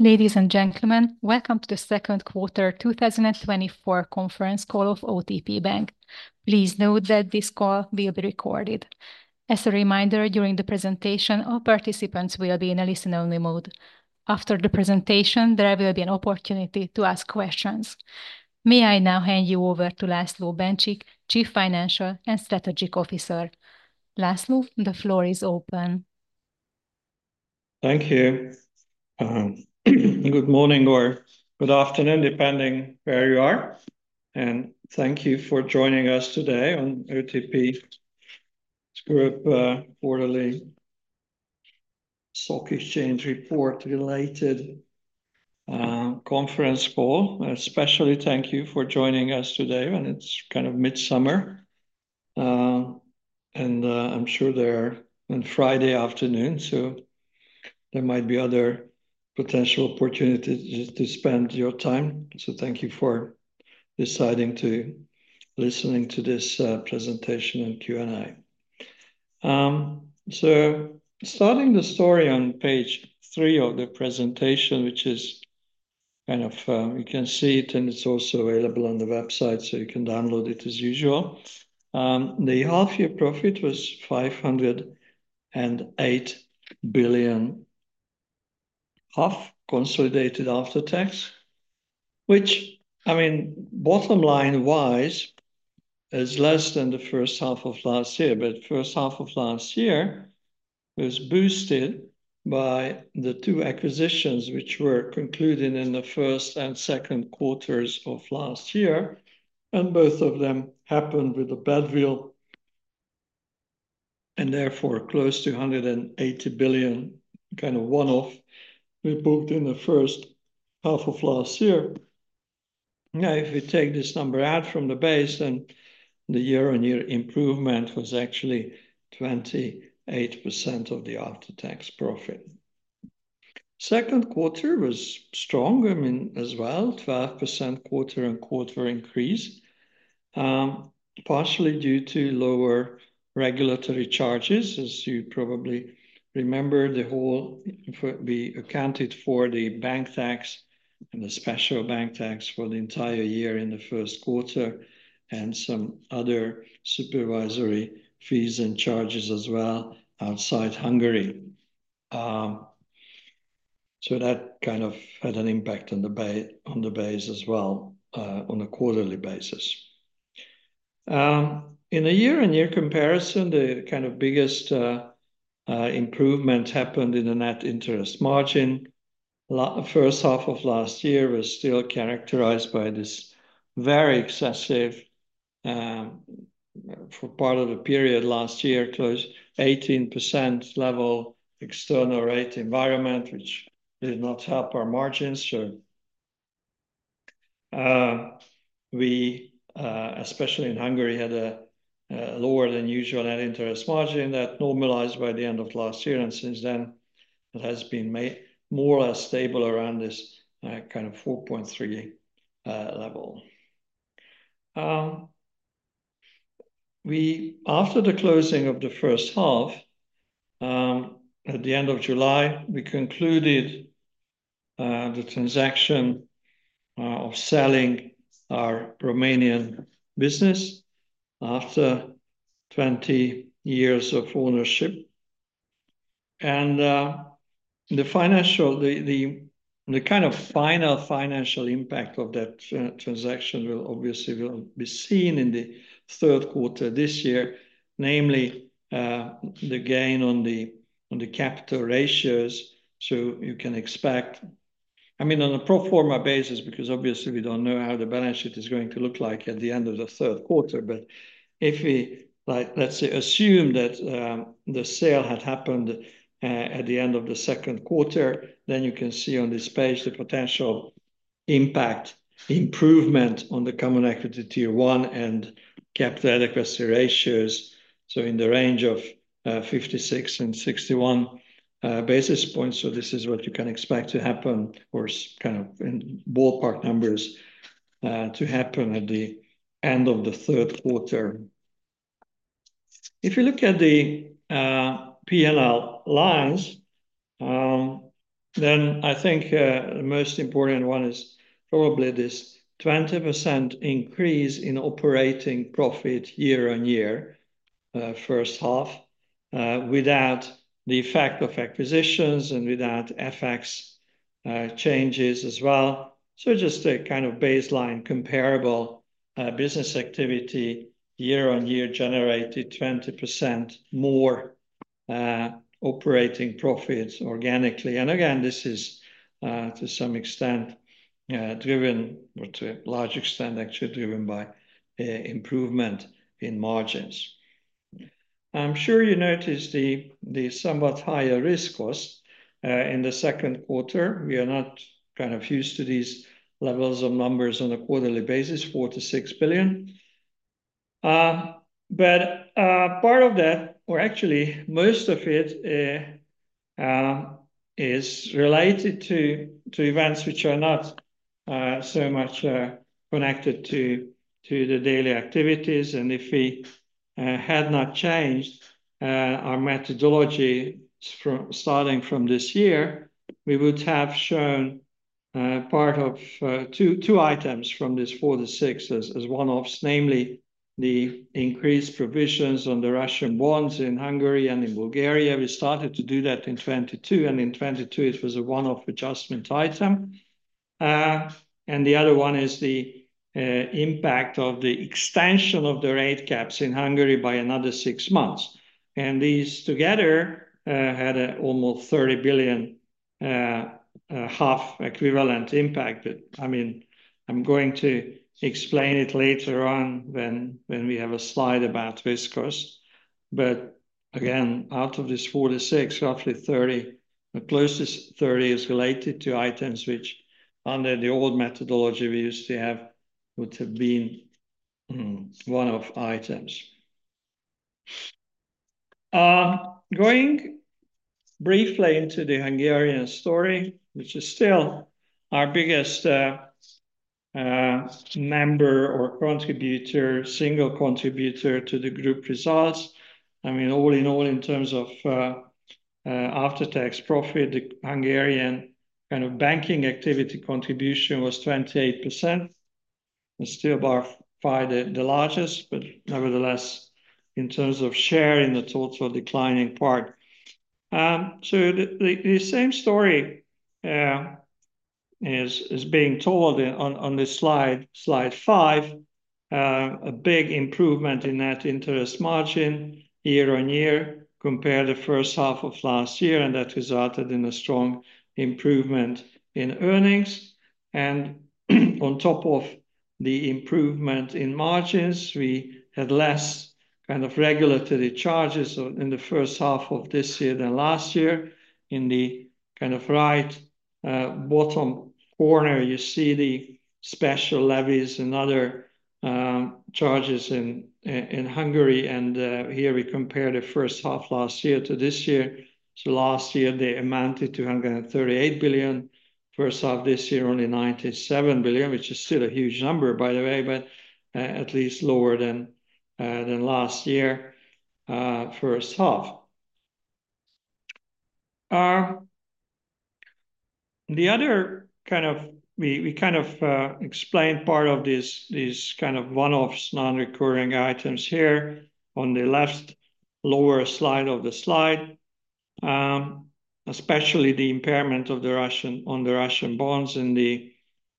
Ladies and gentlemen, welcome to the second quarter 2024 conference call of OTP Bank. Please note that this call will be recorded. As a reminder, during the presentation, all participants will be in a listen-only mode. After the presentation, there will be an opportunity to ask questions. May I now hand you over to László Bencsik, Chief Financial and Strategic Officer. László, the floor is open. Thank you. Good morning or good afternoon, depending where you are, and thank you for joining us today on OTP Group quarterly stock exchange report related conference call. Especially thank you for joining us today, when it's kind of midsummer, and I'm sure there on Friday afternoon, so there might be other potential opportunities to spend your time. So thank you for deciding to listening to this presentation and Q&A. So starting the story on page three of the presentation, which is kind of you can see it, and it's also available on the website, so you can download it as usual. The half-year profit was 508 billion, half consolidated after tax, which I mean, bottom line wise, is less than the first half of last year. First half of last year was boosted by the two acquisitions, which were concluded in the first and second quarters of last year, and both of them happened with the badwill, and therefore close to 180 billion, kind of one-off we booked in the first half of last year. Now, if we take this number out from the base, then the year-on-year improvement was actually 28% of the after-tax profit. Second quarter was strong, I mean, as well, 12% quarter-on-quarter increase, partially due to lower regulatory charges. As you probably remember, we accounted for the bank tax and the special bank tax for the entire year in the first quarter, and some other supervisory fees and charges as well outside Hungary. So that kind of had an impact on the base as well, on a quarterly basis. In a year-on-year comparison, the kind of biggest improvement happened in the net interest margin. First half of last year was still characterized by this very excessive, for part of the period last year, close 18% level external rate environment, which did not help our margins. So, we, especially in Hungary, had a lower than usual net interest margin that normalized by the end of last year, and since then, it has been made more or less stable around this kind of 4.3 level. After the closing of the first half, at the end of July, we concluded the transaction of selling our Romanian business after 20 years of ownership. The final financial impact of that transaction will obviously be seen in the third quarter this year, namely, the gain on the capital ratios. So you can expect, I mean, on a pro forma basis, because obviously we don't know how the balance sheet is going to look like at the end of the third quarter, but if we like, let's say, assume that, the sale had happened at the end of the second quarter, then you can see on this page the potential impact, improvement on the Common Equity Tier 1 and capital adequacy ratios, so in the range of 56-61 basis points. So this is what you can expect to happen, or kind of in ballpark numbers, to happen at the end of the third quarter. If you look at the, P&L lines, then I think, the most important one is probably this 20% increase in operating profit year-on-year, first half, without the effect of acquisitions and without FX, changes as well. So just a kind of baseline comparable, business activity year-on-year generated 20% more, operating profits organically. And again, this is, to some extent, driven, or to a large extent, actually driven by, improvement in margins. I'm sure you noticed the, the somewhat higher risk cost, in the second quarter. We are not kind of used to these levels of numbers on a quarterly basis, 4 billion-6 billion. But, part of that, or actually most of it, is related to, to events which are not-... So much connected to the daily activities, and if we had not changed our methodology from starting from this year, we would have shown part of two items from this 4-6 as one-offs, namely the increased provisions on the Russian bonds in Hungary and in Bulgaria. We started to do that in 2022, and in 2022 it was a one-off adjustment item. And the other one is the impact of the extension of the rate caps in Hungary by another 6 months. And these together had almost 30 billion equivalent impact. But I mean, I'm going to explain it later on when we have a slide about risk cost. But again, out of this 46, roughly 30, the closest 30 is related to items which under the old methodology we used to have, would have been one of items. Going briefly into the Hungarian story, which is still our biggest single contributor to the group results. I mean, all in all, in terms of after-tax profit, the Hungarian kind of banking activity contribution was 28%. It's still by far the largest, but nevertheless, in terms of share in the total declining part. So the same story is being told on this slide, slide 5, a big improvement in net interest margin year-on-year, compare the first half of last year, and that resulted in a strong improvement in earnings. On top of the improvement in margins, we had less kind of regulatory charges in the first half of this year than last year. In the kind of right bottom corner, you see the special levies and other charges in Hungary, and here we compare the first half last year to this year. So last year, they amounted to 138 billion. First half this year, only 97 billion, which is still a huge number, by the way, but at least lower than last year first half. The other kind of we kind of explained part of this, these kind of one-offs, non-recurring items here on the left lower slide of the slide. Especially the impairment of the Russian on the Russian bonds and the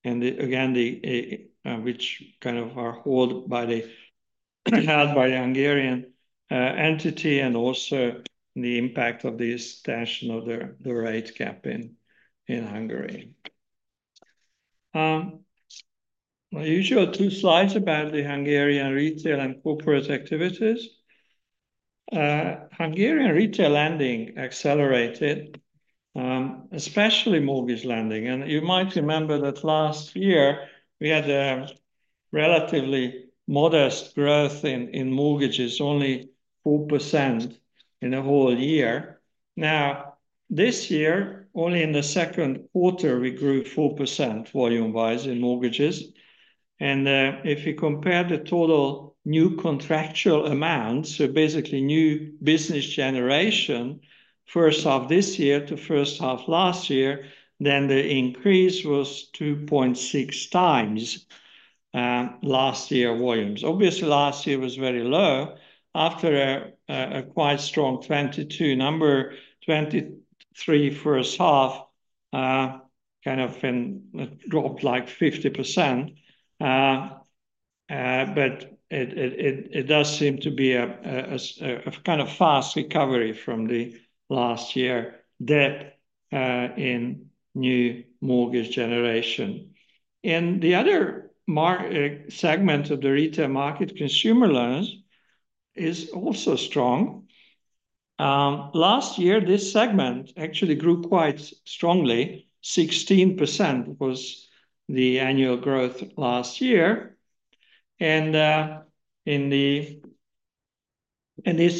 and the, which kind of are held by the held by the Hungarian entity, and also the impact of the extension of the the rate cap in in Hungary. My usual two slides about the Hungarian retail and corporate activities. Hungarian retail lending accelerated, especially mortgage lending, and you might remember that last year we had a relatively modest growth in in mortgages, only 4% in a whole year. Now, this year, only in the second quarter, we grew 4% volume-wise in mortgages. And, if you compare the total new contractual amounts, so basically new business generation, first half this year to first half last year, then the increase was 2.6 times last year volumes. Obviously, last year was very low. After a quite strong 2022 number, 2023 first half kind of then dropped like 50%. But it does seem to be a kind of fast recovery from the last year dip in new mortgage generation. In the other market segment of the retail market, consumer loans is also strong. Last year, this segment actually grew quite strongly. 16% was the annual growth last year, and this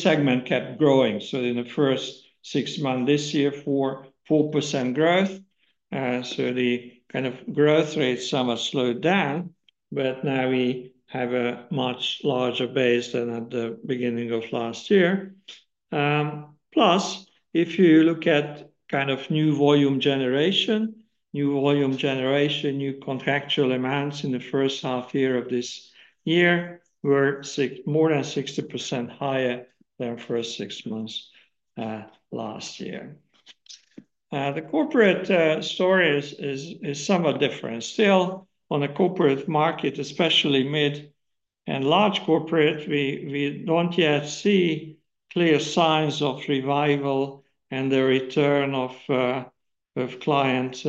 segment kept growing. So in the first six months this year, 4% growth. So the kind of growth rate somewhat slowed down, but now we have a much larger base than at the beginning of last year. Plus, if you look at kind of new volume generation, new volume generation, new contractual amounts in the first half year of this year were more than 60% higher than first six months last year. The corporate story is somewhat different. Still, on a corporate market, especially mid and large corporate, we don't yet see clear signs of revival and the return of client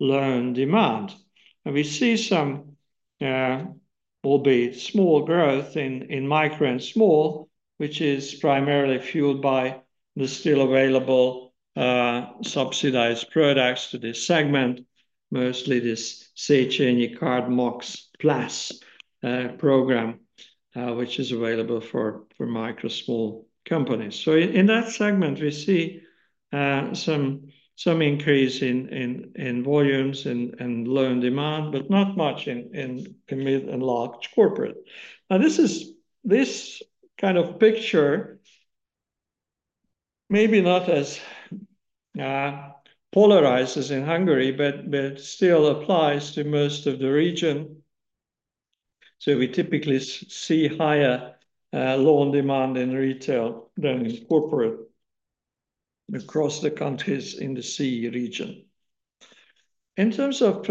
loan demand. And we see some, albeit small growth in micro and small, which is primarily fueled by the still available subsidized products to this segment, mostly this Széchenyi Kártya MAX+ program, which is available for micro small companies. So in that segment, we see some increase in volumes and loan demand, but not much in mid and large corporate. Now, this kind of picture, maybe not as polarizes in Hungary, but still applies to most of the region. So we typically see higher loan demand in retail than in corporate across the countries in the CEE region. In terms of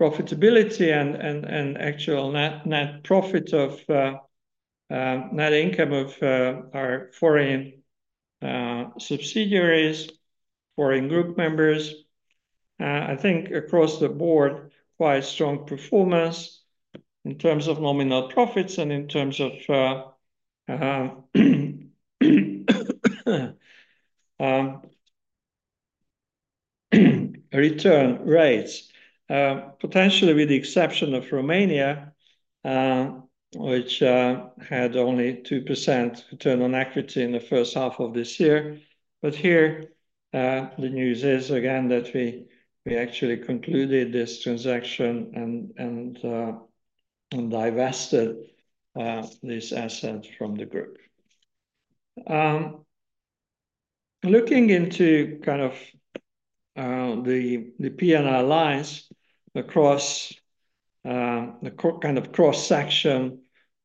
profitability and actual net profit of net income of our foreign subsidiaries, foreign group members, I think across the board, quite strong performance in terms of nominal profits and in terms of return rates. Potentially with the exception of Romania, which had only 2% return on equity in the first half of this year. But here, the news is again, that we actually concluded this transaction and divested this asset from the group. Looking into kind of the P&L lines across the kind of cross section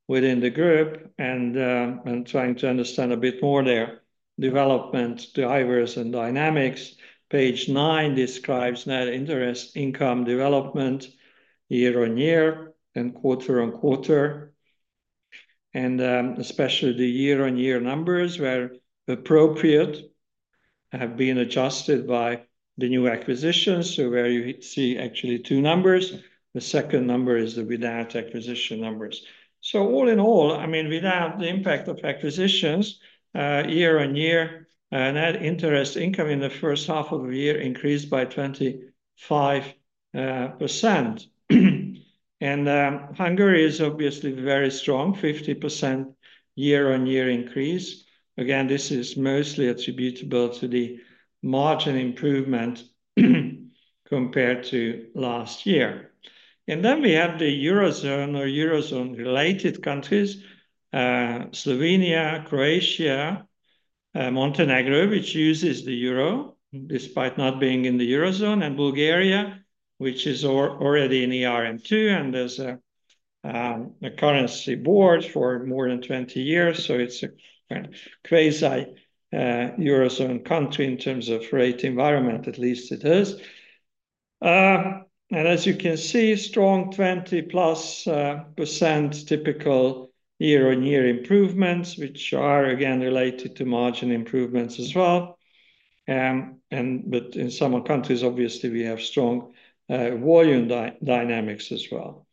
within the group and trying to understand a bit more their development drivers and dynamics. Page 9 describes net interest income development year-on-year and quarter-on-quarter, and especially the year-on-year numbers, where appropriate, have been adjusted by the new acquisitions. So where you see actually two numbers, the second number is the without acquisition numbers. So all in all, I mean, without the impact of acquisitions, year-on-year, net interest income in the first half of the year increased by 25%. Hungary is obviously very strong, 50% year-on-year increase. Again, this is mostly attributable to the margin improvement compared to last year. And then we have the Eurozone or Eurozone-related countries, Slovenia, Croatia, Montenegro, which uses the euro, despite not being in the Eurozone, and Bulgaria, which is already in ERM II, and there's a currency board for more than 20 years, so it's a kind of quasi Eurozone country in terms of rate environment at least it is. And as you can see, strong 20+ percent typical year-on-year improvements, which are again related to margin improvements as well. And but in some countries, obviously, we have strong volume dynamics as well.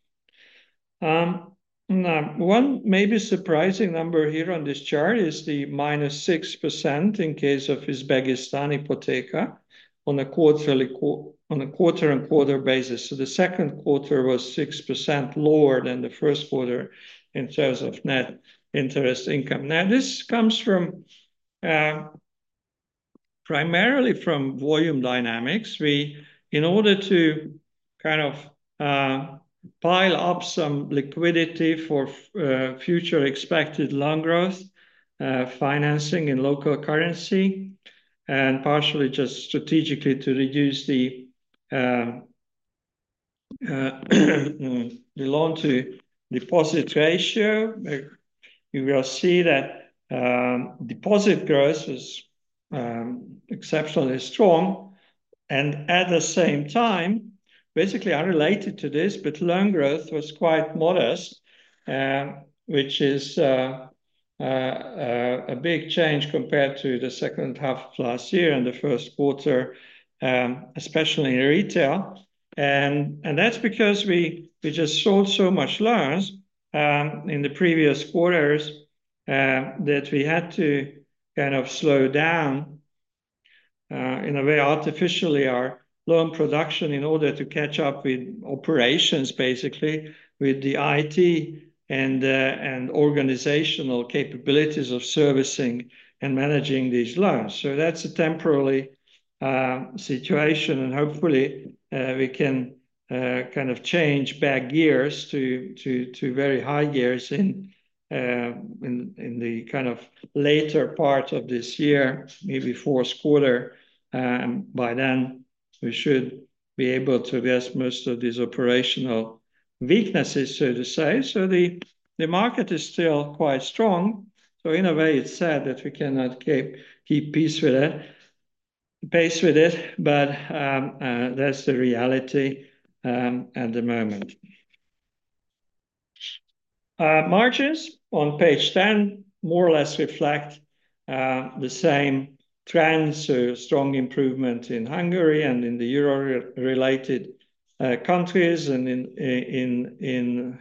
Now one maybe surprising number here on this chart is the -6% in case of Uzbekistan Ipoteka on a quarter-on-quarter basis. So the second quarter was 6% lower than the first quarter in terms of net interest income. Now, this comes from primarily from volume dynamics. We in order to kind of pile up some liquidity for future expected loan growth, financing in local currency, and partially just strategically to reduce the loan-to-deposit ratio, you will see that deposit growth was exceptionally strong, and at the same time, basically unrelated to this, but loan growth was quite modest, which is a big change compared to the second half of last year and the first quarter, especially in retail. And that's because we just sold so much loans in the previous quarters that we had to kind of slow down, in a way, artificially, our loan production in order to catch up with operations, basically, with the IT and organizational capabilities of servicing and managing these loans. So that's a temporary situation, and hopefully we can kind of change back gears to very high gears in the later part of this year, maybe fourth quarter. By then, we should be able to address most of these operational weaknesses, so to say. So the market is still quite strong, so in a way, it's sad that we cannot keep pace with it, but that's the reality at the moment. Margins on page 10 more or less reflect the same trends. So strong improvement in Hungary and in the euro-related countries, and in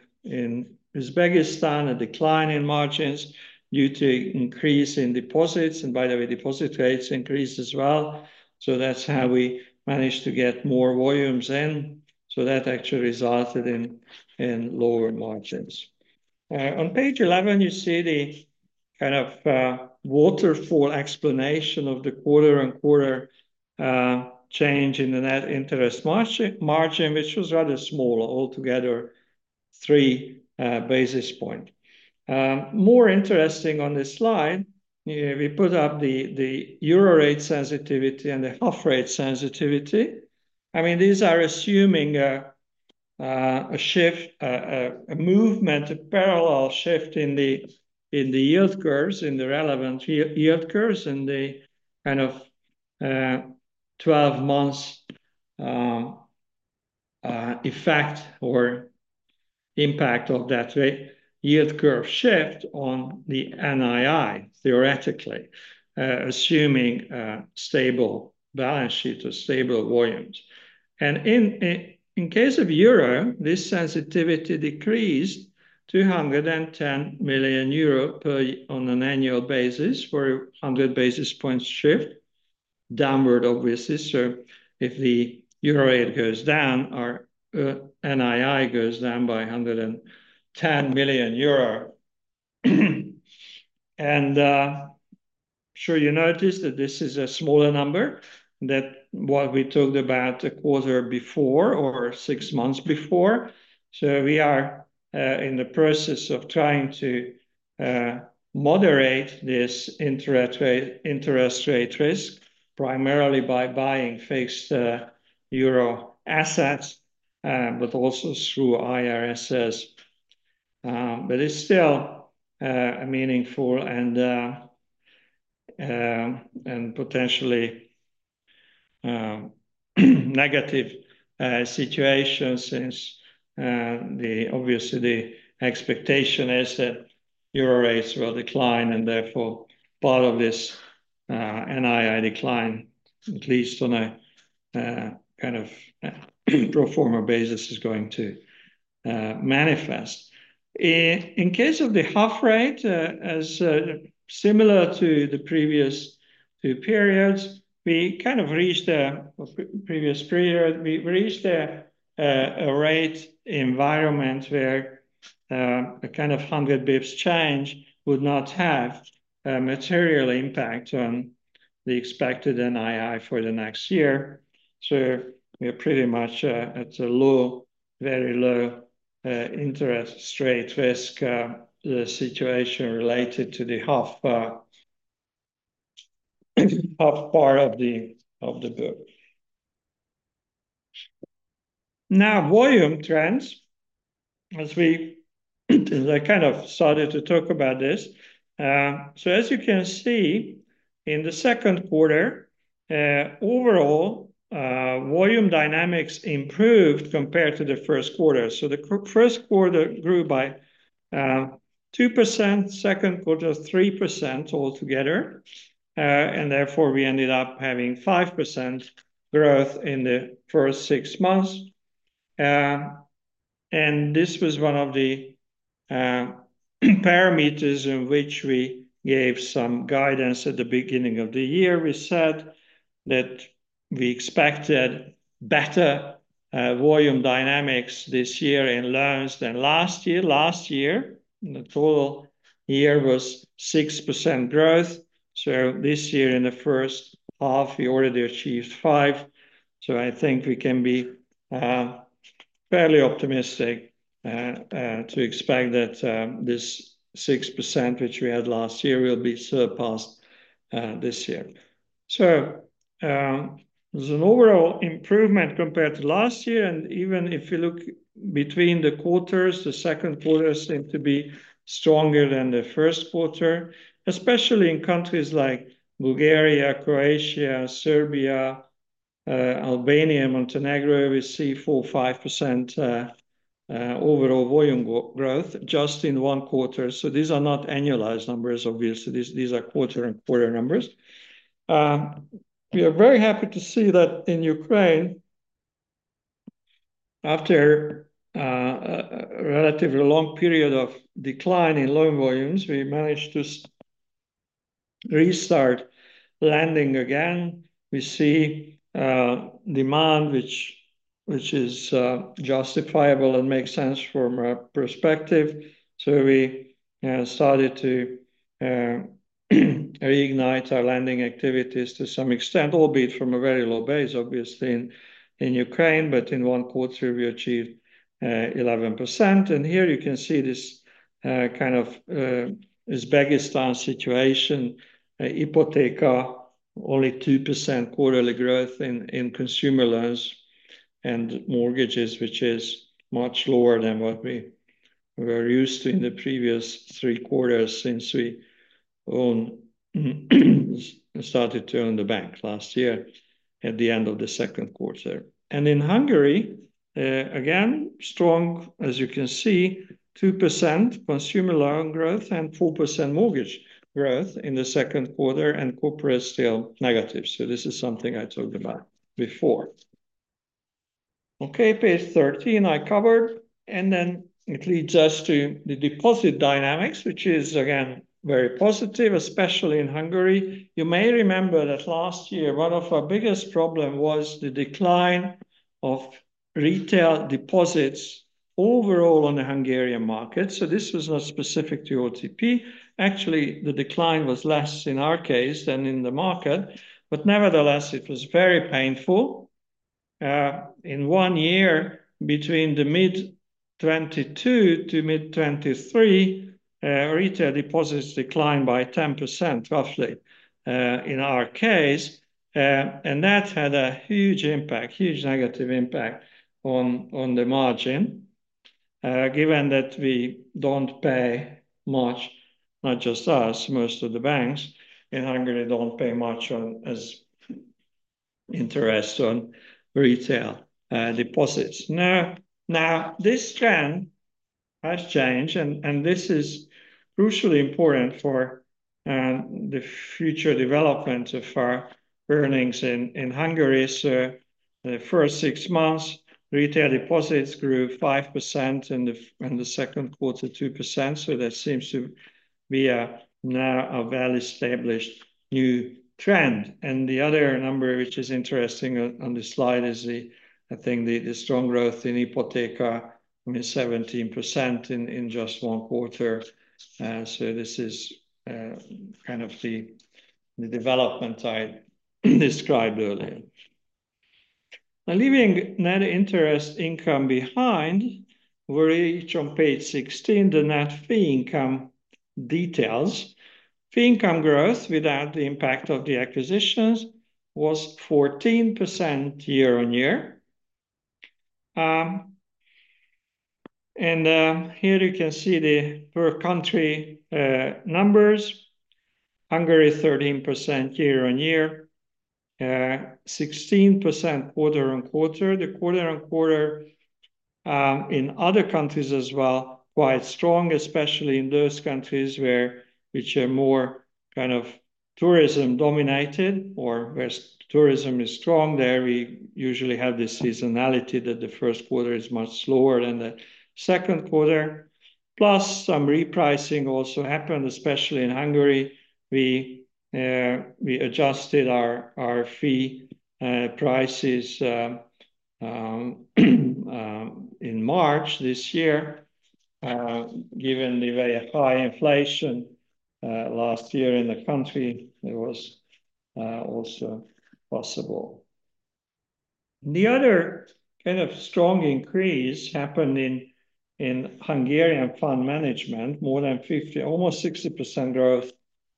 Uzbekistan, a decline in margins due to increase in deposits, and by the way, deposit rates increased as well. So that's how we managed to get more volumes in. So that actually resulted in lower margins. On page 11, you see the kind of waterfall explanation of the quarter-on-quarter change in the net interest margin, which was rather small, altogether 3 basis points. More interesting on this slide, we put up the euro rate sensitivity and the HUF rate sensitivity. I mean, these are assuming a shift, a movement, a parallel shift in the yield curves, in the relevant yield curves, and the kind of 12 months effect or impact of that yield curve shift on the NII, theoretically, assuming a stable balance sheet or stable volumes. And in case of euro, this sensitivity decreased 210 million euro per year on an annual basis for a 100 basis points shift downward, obviously. So if the euro rate goes down, our NII goes down by 110 million euro. And sure you noticed that this is a smaller number than what we talked about a quarter before or six months before. So we are in the process of trying to moderate this interest rate, interest rate risk, primarily by buying fixed euro assets, but also through IRS. But it's still a meaningful and potentially negative situation since the obvious expectation is that euro rates will decline and therefore part of this NII decline, at least on a kind of pro forma basis, is going to manifest. In case of the HUF rate, as similar to the previous two periods, we kind of reached a previous period. We reached a rate environment where a kind of 100 basis points change would not have a material impact on the expected NII for the next year. So we are pretty much at a low, very low interest rate risk situation related to the HUF part of the book. Now, volume trends. I kind of started to talk about this. So as you can see in the second quarter, overall, volume dynamics improved compared to the first quarter. So the first quarter grew by 2%, second quarter, 3% altogether, and therefore we ended up having 5% growth in the first six months. And this was one of the parameters in which we gave some guidance at the beginning of the year. We said that we expected better volume dynamics this year in loans than last year. Last year, the total year was 6% growth, so this year, in the first half, we already achieved 5%. So I think we can be fairly optimistic to expect that this 6%, which we had last year, will be surpassed this year. So there's an overall improvement compared to last year, and even if you look between the quarters, the second quarter seemed to be stronger than the first quarter, especially in countries like Bulgaria, Croatia, Serbia, Albania, Montenegro. We see 4-5% overall volume growth just in one quarter. So these are not annualized numbers obviously; these are quarter-on-quarter numbers. We are very happy to see that in Ukraine, after a relatively long period of decline in loan volumes, we managed to restart lending again. We see demand which is justifiable and makes sense from a perspective. So we started to reignite our lending activities to some extent, albeit from a very low base, obviously, in Ukraine, but in one quarter we achieved 11%. And here you can see this kind of Uzbekistan situation, Ipoteka, only 2% quarterly growth in consumer loans and mortgages, which is much lower than what we were used to in the previous three quarters since we started to own the bank last year at the end of the second quarter. In Hungary, again, strong, as you can see, 2% consumer loan growth and 4% mortgage growth in the second quarter, and corporate is still negative. This is something I talked about before. Okay, page 13, I covered, and then it leads us to the deposit dynamics, which is again, very positive, especially in Hungary. You may remember that last year, one of our biggest problem was the decline of retail deposits overall on the Hungarian market, so this was not specific to OTP. Actually, the decline was less in our case than in the market, but nevertheless, it was very painful. In one year, between mid-2022 to mid-2023, retail deposits declined by 10%, roughly, in our case, and that had a huge impact, huge negative impact on the margin. Given that we don't pay much, not just us, most of the banks in Hungary don't pay much on as interest on retail deposits. Now, this trend has changed, and this is crucially important for the future development of our earnings in Hungary. So the first six months, retail deposits grew 5%, and the second quarter, 2%, so that seems to be now a well-established new trend. And the other number, which is interesting on this slide, is I think the strong growth in Ipoteka, I mean, 17% in just one quarter. So this is kind of the development I described earlier. Now, leaving net interest income behind, we reach on page 16 the net fee income details. Fee income growth without the impact of the acquisitions was 14% year-on-year. And here you can see the per country numbers. Hungary, 13% year-on-year, 16% quarter-on-quarter. The quarter-on-quarter in other countries as well, quite strong, especially in those countries where are more kind of tourism dominated or where tourism is strong. There, we usually have this seasonality that the first quarter is much slower than the second quarter, plus some repricing also happened, especially in Hungary. We adjusted our fee prices in March this year. Given the very high inflation last year in the country, it was also possible. The other kind of strong increase happened in Hungarian fund management, more than 50, almost 60% growth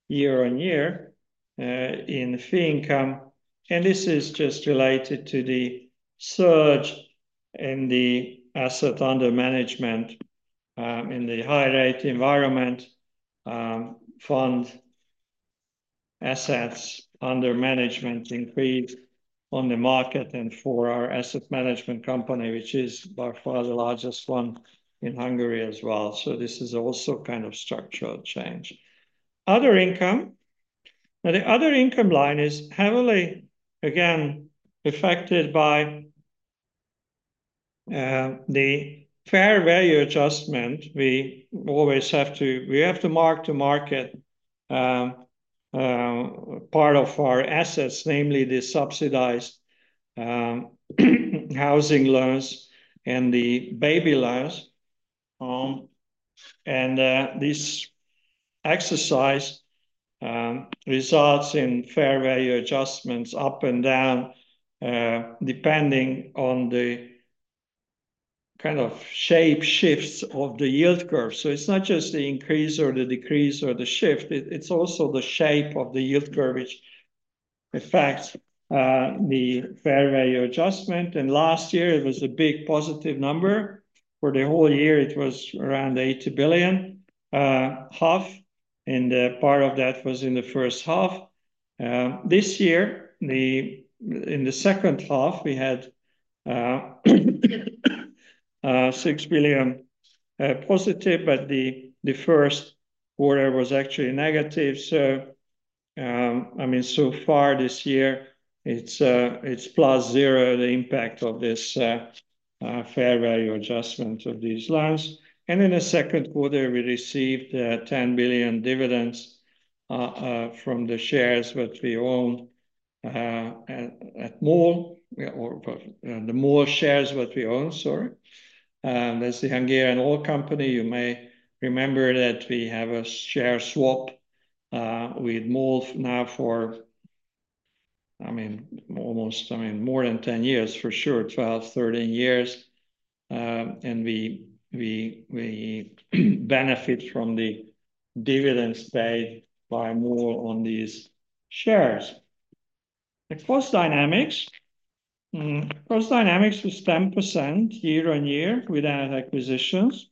year-on-year in fee income, and this is just related to the surge in the asset under management in the high rate environment. Fund assets under management increased on the market and for our asset management company, which is by far the largest one in Hungary as well. So this is also kind of structural change. Other income. Now, the other income line is heavily, again, affected by the fair value adjustment. We always have to mark to market part of our assets, namely the subsidized housing loans and the Baby loans. And this exercise results in fair value adjustments up and down, depending on the kind of shape shifts of the yield curve. So it's not just the increase or the decrease or the shift, it's also the shape of the yield curve which affects the fair value adjustment, and last year it was a big positive number. For the whole year, it was around 80.5 billion, and a part of that was in the first half. This year, in the second half, we had 6 billion positive, but the first quarter was actually negative. So, I mean, so far this year, it's +0, the impact of this fair value adjustment of these loans. And in the second quarter, we received 10 billion dividends from the shares that we own at MOL, or the MOL shares what we own, sorry. That's the Hungarian oil company. You may remember that we have a share swap with MOL for, I mean, almost, I mean, more than 10 years, for sure, 12, 13 years. And we benefit from the dividends paid by MOL on these shares. Cost dynamics. Cost dynamics was 10% year-on-year without acquisitions.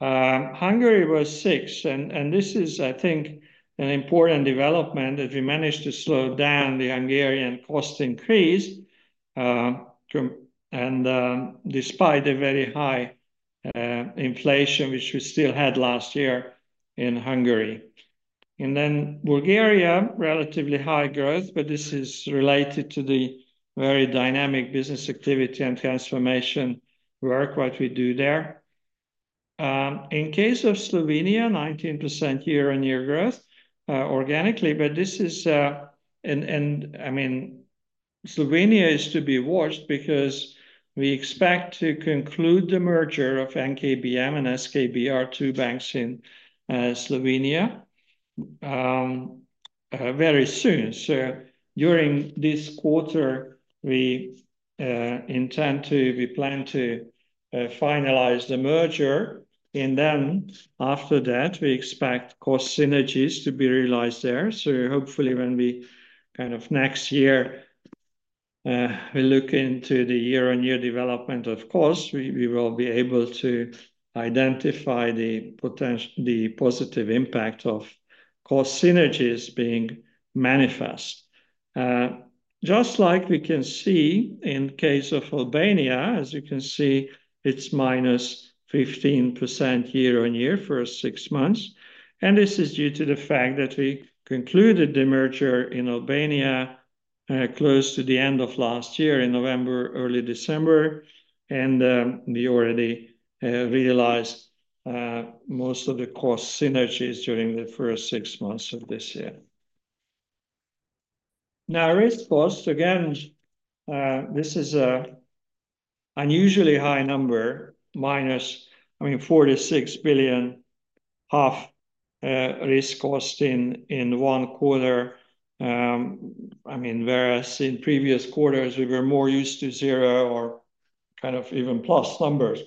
Hungary was 6%, and this is, I think, an important development, that we managed to slow down the Hungarian cost increase from and despite the very high inflation, which we still had last year in Hungary. And then Bulgaria, relatively high growth, but this is related to the very dynamic business activity and transformation work what we do there. In case of Slovenia, 19% year-on-year growth, organically, but this is—and I mean, Slovenia is to be watched because we expect to conclude the merger of NKBM and SKB are two banks in Slovenia, very soon. So during this quarter, we intend to—we plan to finalize the merger, and then after that, we expect cost synergies to be realized there. So hopefully when we kind of next year, we look into the year-on-year development, of course, we will be able to identify the positive impact of cost synergies being manifest. Just like we can see in case of Albania, as you can see, it's minus 15% year-on-year for six months, and this is due to the fact that we concluded the merger in Albania close to the end of last year, in November, early December, and we already realized most of the cost synergies during the first six months of this year. Now, risk cost, again, this is an unusually high number, minus, I mean, 46 billion risk cost in one quarter. I mean, whereas in previous quarters we were more used to zero or kind of even plus numbers.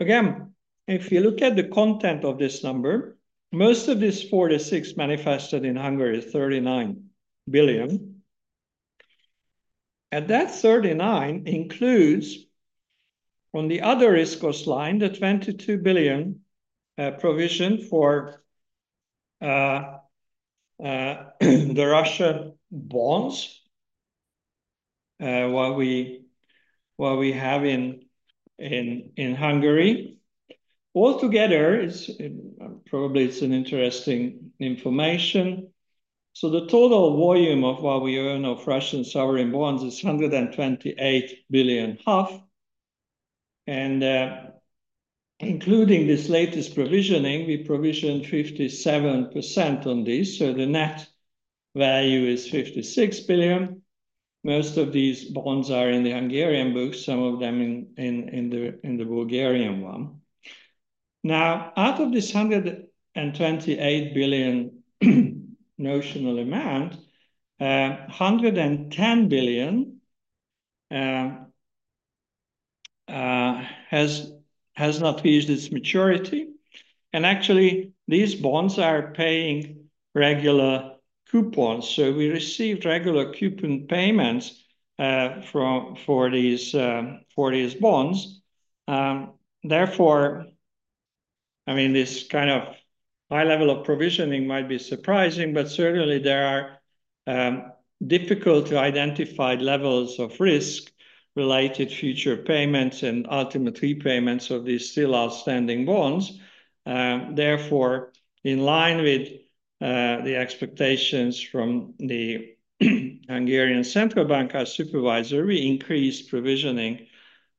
Again, if you look at the content of this number, most of this 46 manifested in Hungary is 39 billion. That 39 includes on the other risk cost line, the 22 billion provision for the Russian bonds what we have in Hungary. Altogether, it's probably an interesting information. So the total volume of what we own of Russian sovereign bonds is 128 billion, and including this latest provisioning, we provisioned 57% on this, so the net value is 56 billion. Most of these bonds are in the Hungarian books, some of them in the Bulgarian one. Now, out of this 128 billion notional amount, 110 billion has not reached its maturity. And actually, these bonds are paying regular coupons. So we received regular coupon payments for these bonds. Therefore, I mean, this kind of high level of provisioning might be surprising, but certainly there are difficult to identify levels of risk-related future payments and ultimate repayments of these still outstanding bonds. Therefore, in line with the expectations from the Hungarian Central Bank as supervisor, we increased provisioning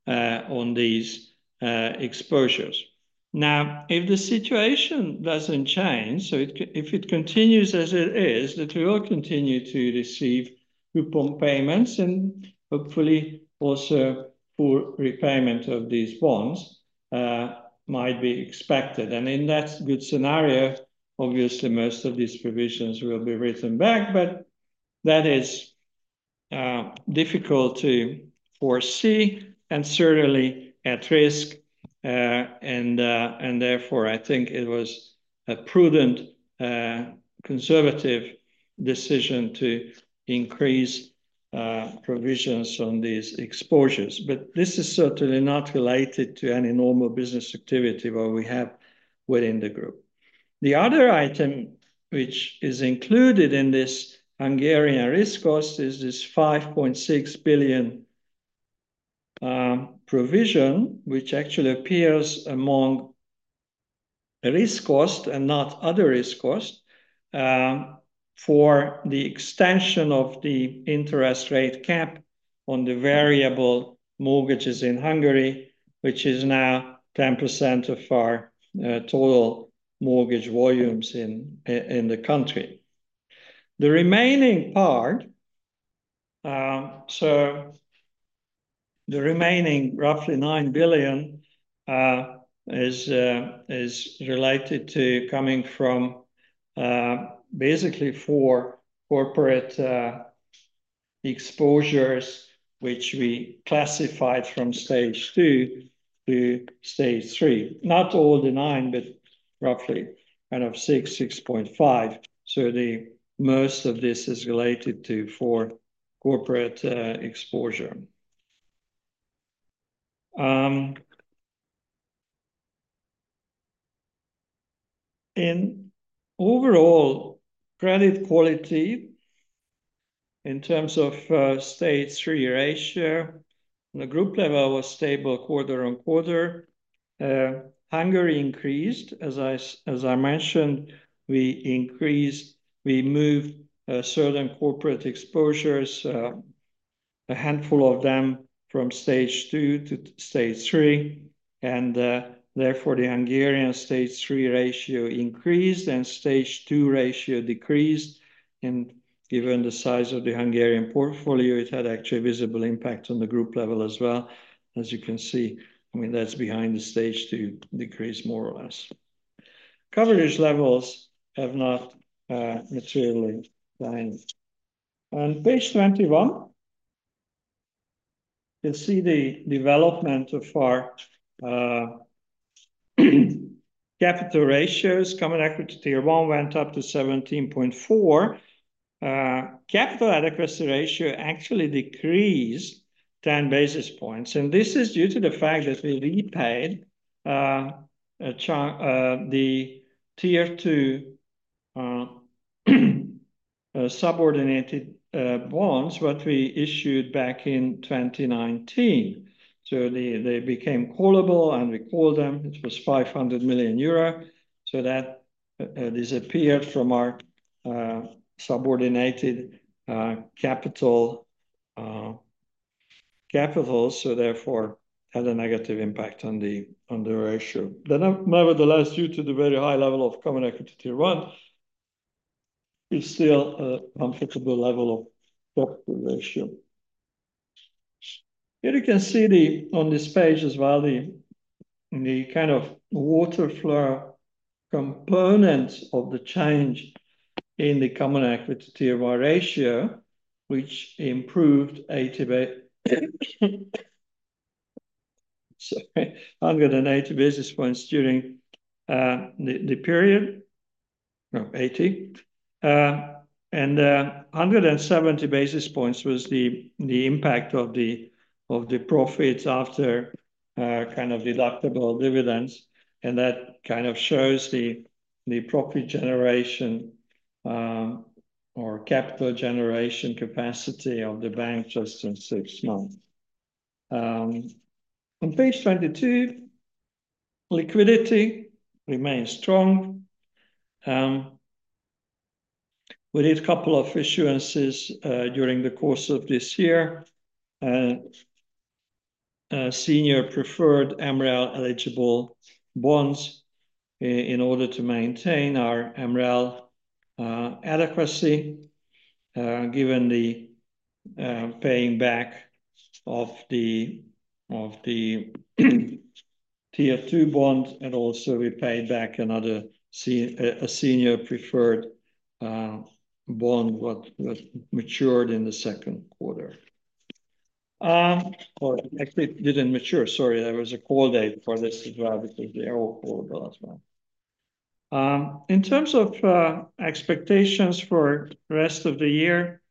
on these exposures. Now, if the situation doesn't change, so if it continues as it is, that we will continue to receive coupon payments and hopefully also full repayment of these bonds might be expected. And in that good scenario, obviously, most of these provisions will be written back, but that is difficult to foresee and certainly at risk. And therefore, I think it was a prudent conservative decision to increase provisions on these exposures. But this is certainly not related to any normal business activity what we have within the group. The other item, which is included in this Hungarian risk cost, is this 5.6 billion provision, which actually appears among the risk cost and not other risk cost, for the extension of the interest rate cap on the variable mortgages in Hungary, which is now 10% of our total mortgage volumes in the country. The remaining part, so the remaining roughly 9 billion is related to coming from basically four corporate exposures, which we classified from stage two to stage 3. Not all the nine, but roughly kind of 6.5. So the most of this is related to four corporate exposure. In overall credit quality, in terms of, stage 3 ratio on a group level was stable quarter-on-quarter. Hungary increased, as I mentioned, we increased, we moved, certain corporate exposures, a handful of them from stage two to stage 3, and, therefore, the Hungarian stage 3 ratio increased and stage two ratio decreased. Given the size of the Hungarian portfolio, it had actually a visible impact on the group level as well. As you can see, I mean, that's behind the stage two decrease more or less. Coverage levels have not materially declined. On page 21, you'll see the development of our capital ratios. Common equity tier one went up to 17.4. Capital adequacy ratio actually decreased 10 basis points, and this is due to the fact that we repaid the Tier 2 subordinated bonds, what we issued back in 2019. So they became callable, and we called them. It was 500 million euro, so that disappeared from our subordinated capital. So therefore had a negative impact on the ratio. Nevertheless, due to the very high level of Common Equity Tier 1, is still a comfortable level of capital ratio. Here you can see on this page as well the kind of waterfall components of the change in the Common Equity Tier 1 ratio, which improved eighty-ba- Sorry, 180 basis points during the period. No, 80. And 170 basis points was the impact of the profits after kind of deductible dividends, and that kind of shows the profit generation or capital generation capacity of the bank just in six months. On page 22, liquidity remains strong. We did a couple of issuances during the course of this year. Senior preferred MREL-eligible bonds in order to maintain our MREL adequacy given the paying back of the Tier 2 bond, and also we paid back another senior preferred bond what was matured in the second quarter. Or actually didn't mature. Sorry, there was a call date for this as well, because they were all callable as well. In terms of expectations for the rest of the year,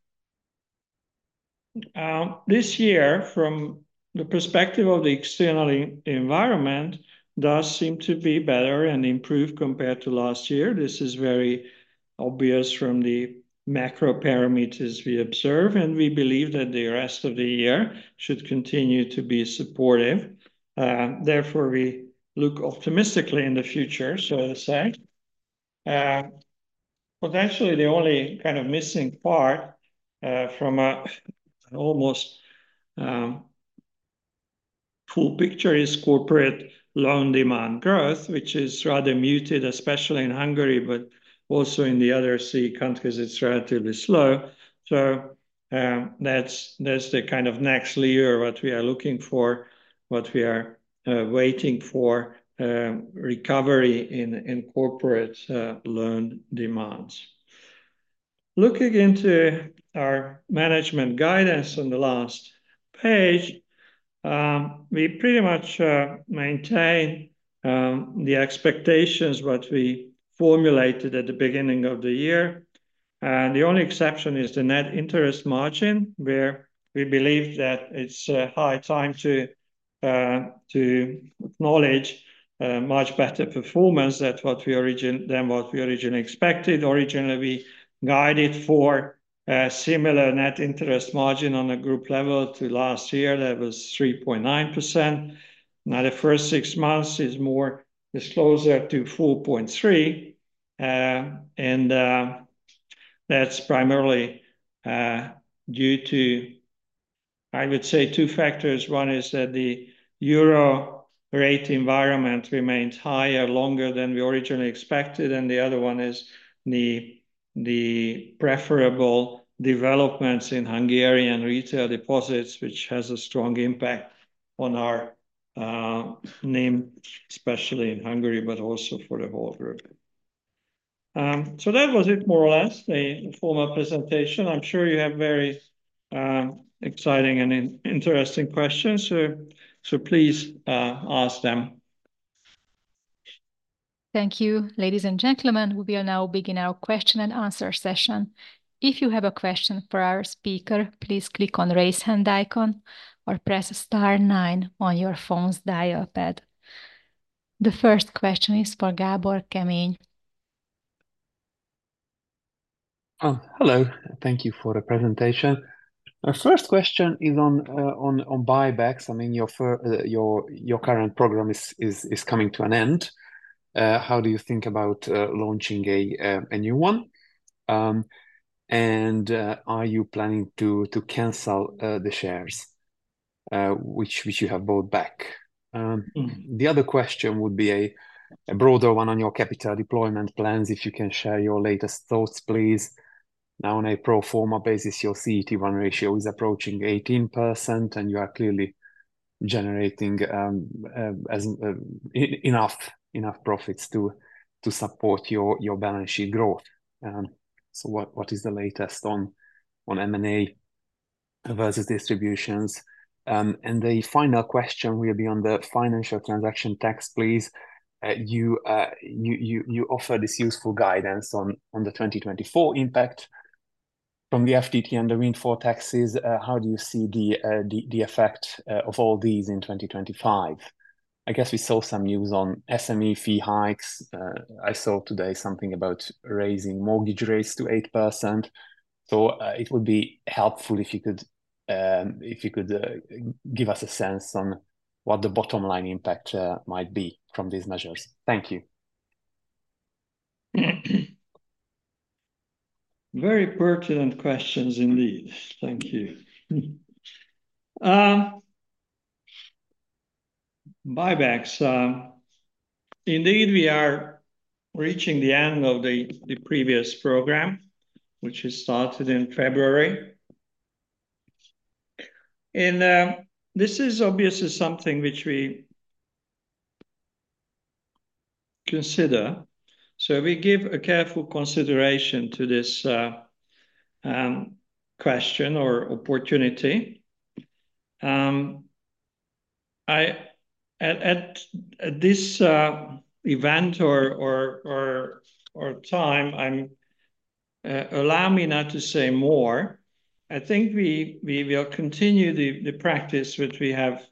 this year, from the perspective of the external environment, does seem to be better and improved compared to last year. This is very obvious from the macro parameters we observe, and we believe that the rest of the year should continue to be supportive. Therefore, we look optimistically in the future, so to say. Potentially the only kind of missing part, from an almost full picture is corporate loan demand growth, which is rather muted, especially in Hungary, but also in the other CEE countries, it's relatively slow. So, that's, that's the kind of next layer what we are looking for, what we are waiting for, recovery in corporate loan demands. Looking into our management guidance on the last page, we pretty much maintain the expectations what we formulated at the beginning of the year. And the only exception is the net interest margin, where we believe that it's high time to acknowledge much better performance than what we originally expected. Originally, we guided for a similar net interest margin on a group level to last year. That was 3.9%. Now, the first six months is more, it's closer to 4.3%. And that's primarily due to, I would say, two factors. One is that the euro rate environment remains higher, longer than we originally expected, and the other one is the preferable developments in Hungarian retail deposits, which has a strong impact on our NIM, especially in Hungary, but also for the whole group. So that was it, more or less, a formal presentation. I'm sure you have very exciting and interesting questions, so please ask them. Thank you, ladies and gentlemen. We will now begin our question and answer session. If you have a question for our speaker, please click on Raise Hand icon or press star nine on your phone's dial pad. The first question is for Gábor Kemény.... Hello. Thank you for the presentation. Our first question is on buybacks. I mean, your current program is coming to an end. How do you think about launching a new one? And are you planning to cancel the shares which you have bought back? The other question would be a broader one on your capital deployment plans, if you can share your latest thoughts, please. Now, on a pro forma basis, your CET1 ratio is approaching 18%, and you are clearly generating enough profits to support your balance sheet growth. So what is the latest on M&A versus distributions? And the final question will be on the financial transaction tax, please. You offer this useful guidance on the 2024 impact from the FTT and the windfall taxes. How do you see the effect of all these in 2025? I guess we saw some news on SME fee hikes. I saw today something about raising mortgage rates to 8%. So, it would be helpful if you could give us a sense on what the bottom line impact might be from these measures. Thank you. Very pertinent questions indeed. Thank you. Buybacks, indeed, we are reaching the end of the previous program, which was started in February. This is obviously something which we consider, so we give a careful consideration to this, question or opportunity. At this event or time, allow me not to say more. I think we will continue the practice which we have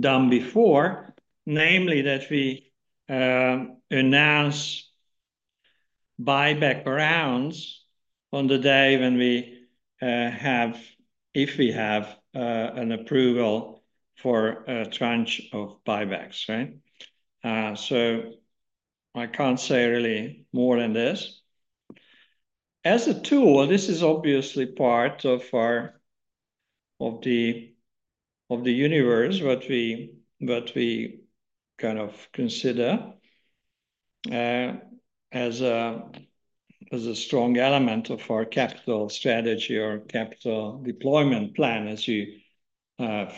done before, namely that we announce buyback rounds on the day when we have, if we have, an approval for a tranche of buybacks, right? So I can't say really more than this. As a tool, this is obviously part of our of the universe, what we kind of consider as a strong element of our capital strategy or capital deployment plan, as you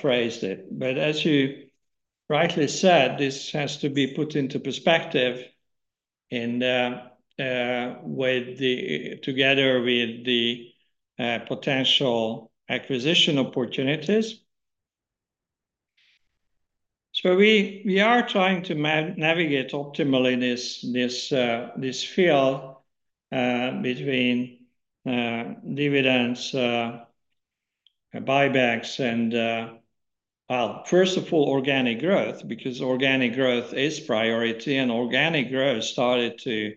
phrased it. But as you rightly said, this has to be put into perspective and together with the potential acquisition opportunities. So we are trying to navigate optimally this field between dividends, buybacks, and well, first of all, organic growth, because organic growth is priority, and organic growth started to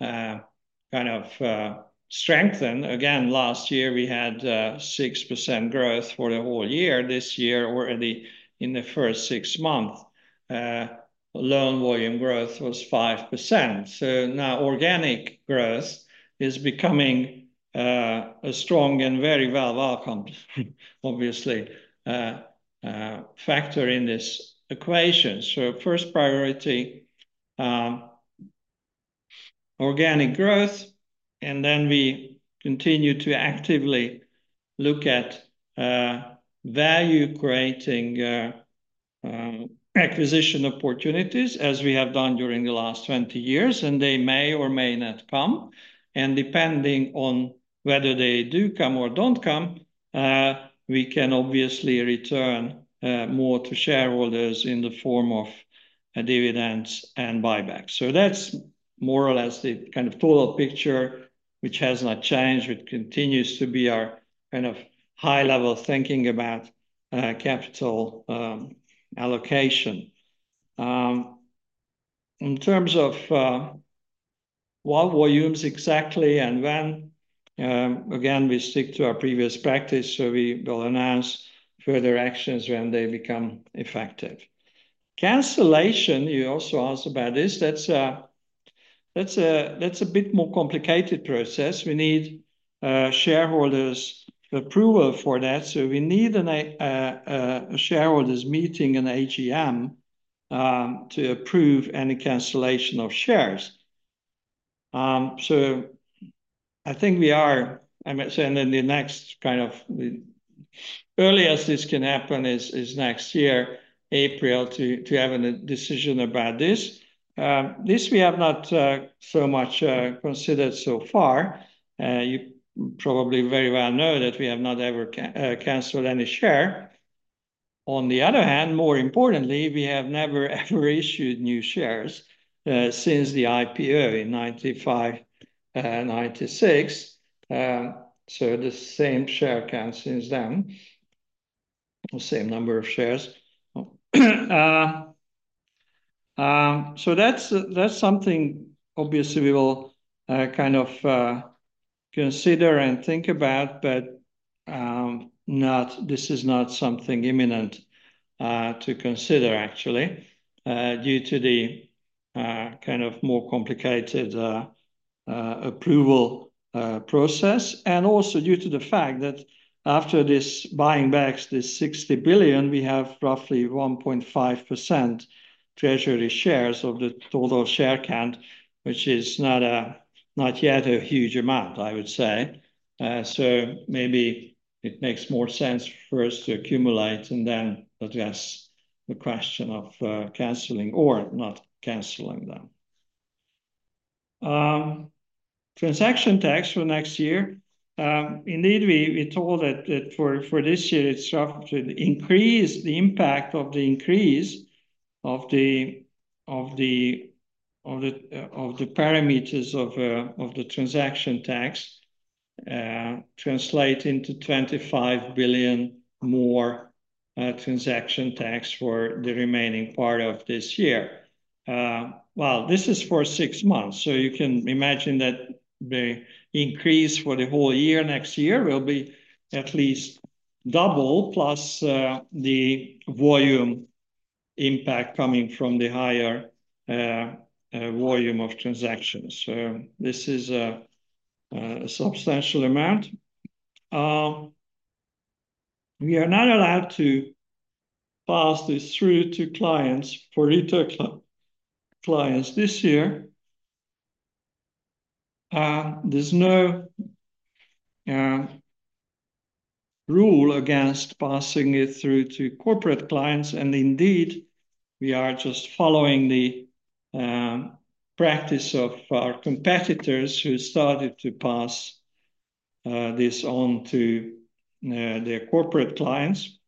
kind of strengthen again. Last year, we had 6% growth for the whole year. This year, already in the first six months, loan volume growth was 5%. So now organic growth is becoming a strong and very well welcomed, obviously, factor in this equation. So first priority, organic growth, and then we continue to actively look at value-creating acquisition opportunities, as we have done during the last 20 years, and they may or may not come, and depending on whether they do come or don't come, we can obviously return more to shareholders in the form of dividends and buybacks. So that's more or less the kind of full picture which has not changed, which continues to be our kind of high-level thinking about capital allocation. In terms of what volumes exactly and when, again, we stick to our previous practice, so we will announce further actions when they become effective. Cancellation, you also asked about this. That's a bit more complicated process. We need shareholders' approval for that, so we need a shareholders' meeting, an AGM, to approve any cancellation of shares. So I think we are, I might say, and then the next kind of the earliest this can happen is next year, April, to have a decision about this. This we have not so much considered so far. You probably very well know that we have not ever canceled any share. On the other hand, more importantly, we have never, ever issued new shares since the IPO in 1995 and 1996. So the same share count since then, the same number of shares. So that's, that's something obviously we will kind of consider and think about, but not—this is not something imminent to consider actually due to the kind of more complicated approval process, and also due to the fact that after this buying back this 60 billion, we have roughly 1.5% treasury shares of the total share count, which is not yet a huge amount, I would say. So maybe it makes more sense for us to accumulate and then address the question of canceling or not canceling them. Transaction tax for next year, indeed, we're told that for this year, it's roughly to increase the impact of the increase of the parameters of the transaction tax translate into 25 billion more transaction tax for the remaining part of this year. Well, this is for six months, so you can imagine that the increase for the whole year next year will be at least double, plus the volume impact coming from the higher volume of transactions. So this is a substantial amount. We are not allowed to pass this through to clients for retail clients this year. There's no rule against passing it through to corporate clients, and indeed, we are just following the practice of our competitors who started to pass this on to their corporate clients.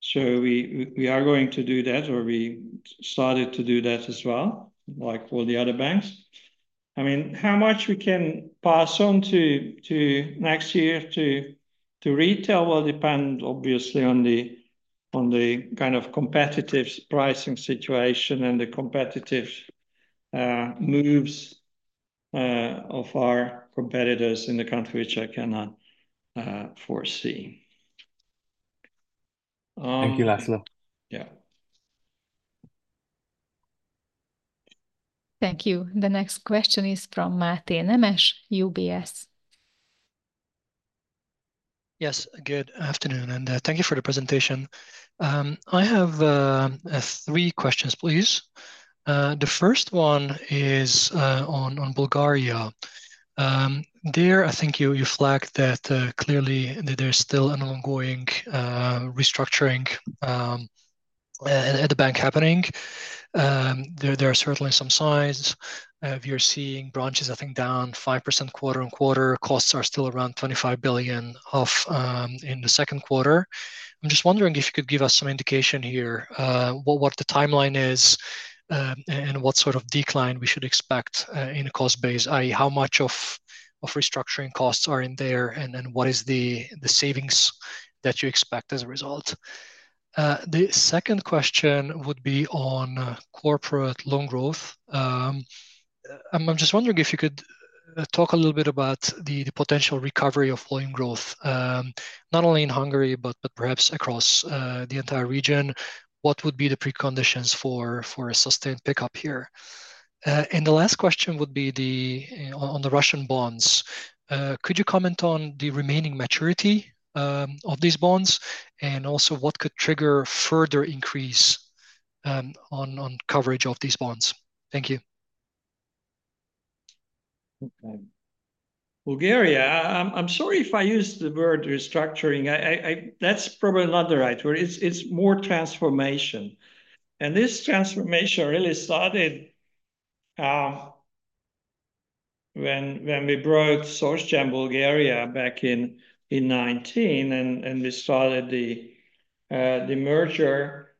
So we are going to do that, or we started to do that as well, like all the other banks. I mean, how much we can pass on to next year to retail will depend, obviously, on the kind of competitive pricing situation and the competitive moves of our competitors in the country, which I cannot foresee. Thank you, László. Yeah. Thank you. The next question is from Máté Nemes, UBS. Yes, good afternoon, and thank you for the presentation. I have three questions, please. The first one is on Bulgaria. There, I think you flagged that clearly that there's still an ongoing restructuring at the bank happening. There are certainly some signs you're seeing branches, I think, down 5% quarter-on-quarter. Costs are still around 25 billion in the second quarter. I'm just wondering if you could give us some indication here, what the timeline is, and what sort of decline we should expect in cost base, i.e., how much of restructuring costs are in there, and then what is the savings that you expect as a result? The second question would be on corporate loan growth. I'm just wondering if you could talk a little bit about the potential recovery of loan growth, not only in Hungary, but perhaps across the entire region. What would be the preconditions for a sustained pickup here? And the last question would be on the Russian bonds. Could you comment on the remaining maturity of these bonds, and also what could trigger further increase on coverage of these bonds? Thank you. Okay. Bulgaria, I'm sorry if I used the word restructuring. That's probably not the right word. It's more transformation, and this transformation really started, when we brought DSK Bank back in nineteen, and we started the merger.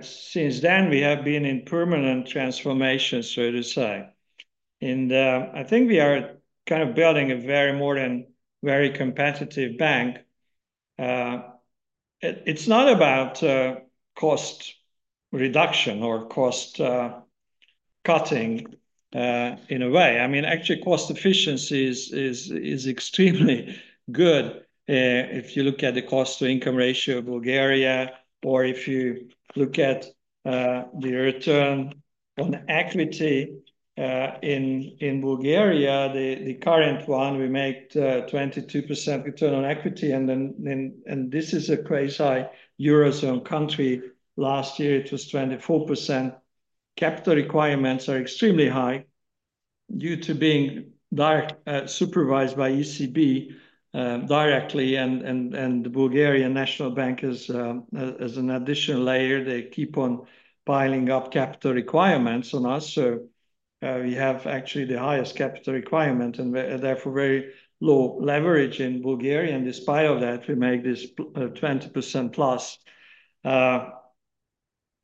Since then, we have been in permanent transformation, so to say. And I think we are kind of building a very modern, very competitive bank. It's not about cost reduction or cost cutting in a way. I mean, actually, cost efficiency is extremely good, if you look at the cost-to-income ratio of Bulgaria or if you look at the return on equity in Bulgaria, the current one, we make 22% return on equity, and then, and this is a quasi Eurozone country. Last year, it was 24%. Capital requirements are extremely high due to being directly supervised by ECB directly, and the Bulgarian National Bank is, as an additional layer, they keep on piling up capital requirements on us. So, we have actually the highest capital requirement, and therefore, very low leverage in Bulgaria, and despite of that, we make this 20%+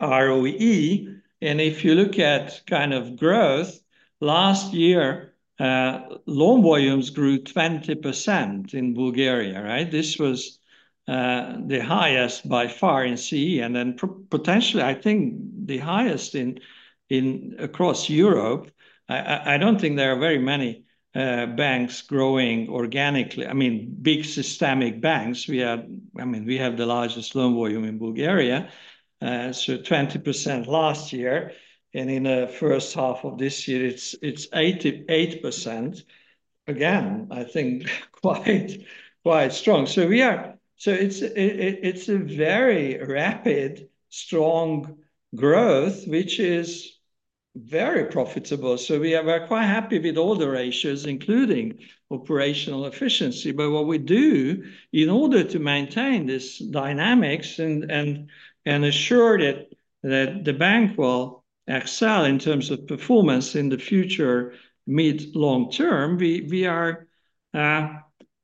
ROE, and if you look at kind of growth, last year, loan volumes grew 20% in Bulgaria, right? This was the highest by far in CEE, and then potentially, I think the highest across Europe. I don't think there are very many banks growing organically. I mean, big systemic banks. We have. I mean, we have the largest loan volume in Bulgaria. So 20% last year, and in the first half of this year, it's 88%. Again, I think quite, quite strong. So it's a very rapid, strong growth, which is very profitable. So we are quite happy with all the ratios, including operational efficiency. But what we do in order to maintain this dynamics and ensure that the bank will excel in terms of performance in the future, mid-long term, we are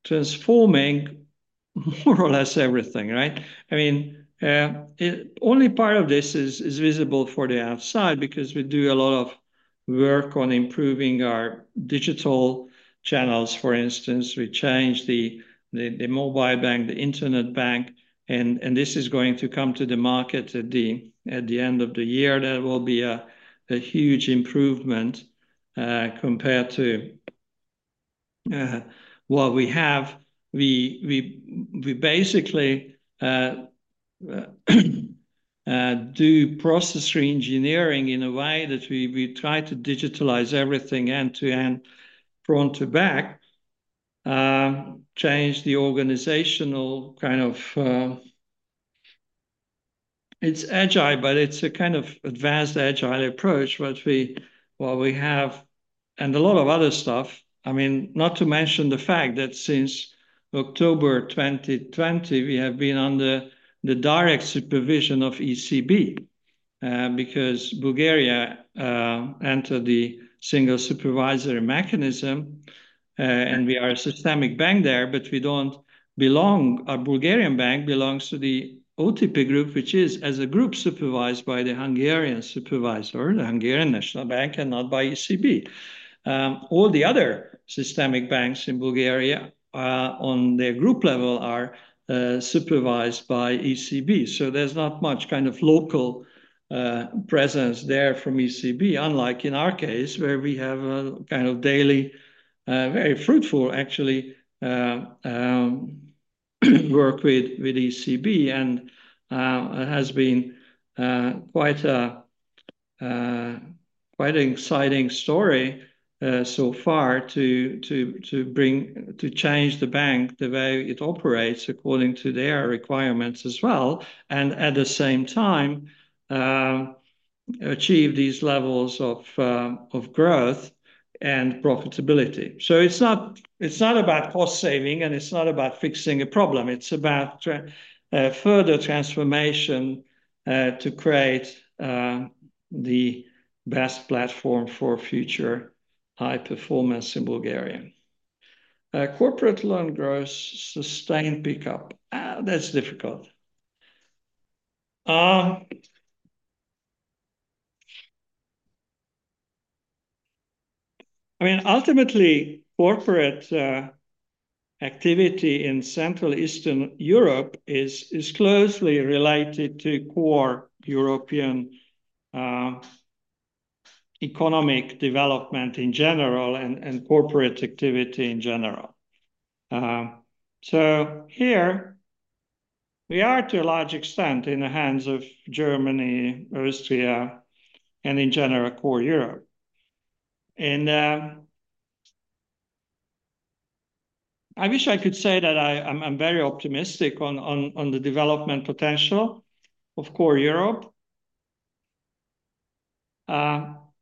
transforming more or less everything, right? I mean, only part of this is visible for the outside because we do a lot of work on improving our digital channels. For instance, we changed the mobile bank, the internet bank, and this is going to come to the market at the end of the year. That will be a huge improvement compared to what we have. We basically do process reengineering in a way that we try to digitalize everything end-to-end, front to back. Change the organizational kind of... It's agile, but it's a kind of advanced agile approach, what we have, and a lot of other stuff. I mean, not to mention the fact that since October 2020, we have been under the direct supervision of ECB, because Bulgaria entered the Single Supervisory Mechanism, and we are a systemic bank there, but we don't belong. Our Bulgarian bank belongs to the OTP Group, which is, as a group, supervised by the Hungarian supervisor, the Hungarian National Bank, and not by ECB. All the other systemic banks in Bulgaria, on their group level, are supervised by ECB. So there's not much kind of local presence there from ECB, unlike in our case, where we have a kind of daily very fruitful, actually, work with ECB. And it has been quite a quite an exciting story so far to change the bank, the way it operates, according to their requirements as well, and at the same time, achieve these levels of growth and profitability. So it's not, it's not about cost saving, and it's not about fixing a problem. It's about further transformation to create the best platform for future high performance in Bulgaria. Corporate loan growth, sustained pickup. That's difficult. I mean, ultimately, corporate activity in Central Eastern Europe is closely related to core European economic development in general and corporate activity in general. So here we are, to a large extent, in the hands of Germany, Austria, and in general, core Europe. And I wish I could say that I'm very optimistic on the development potential of core Europe.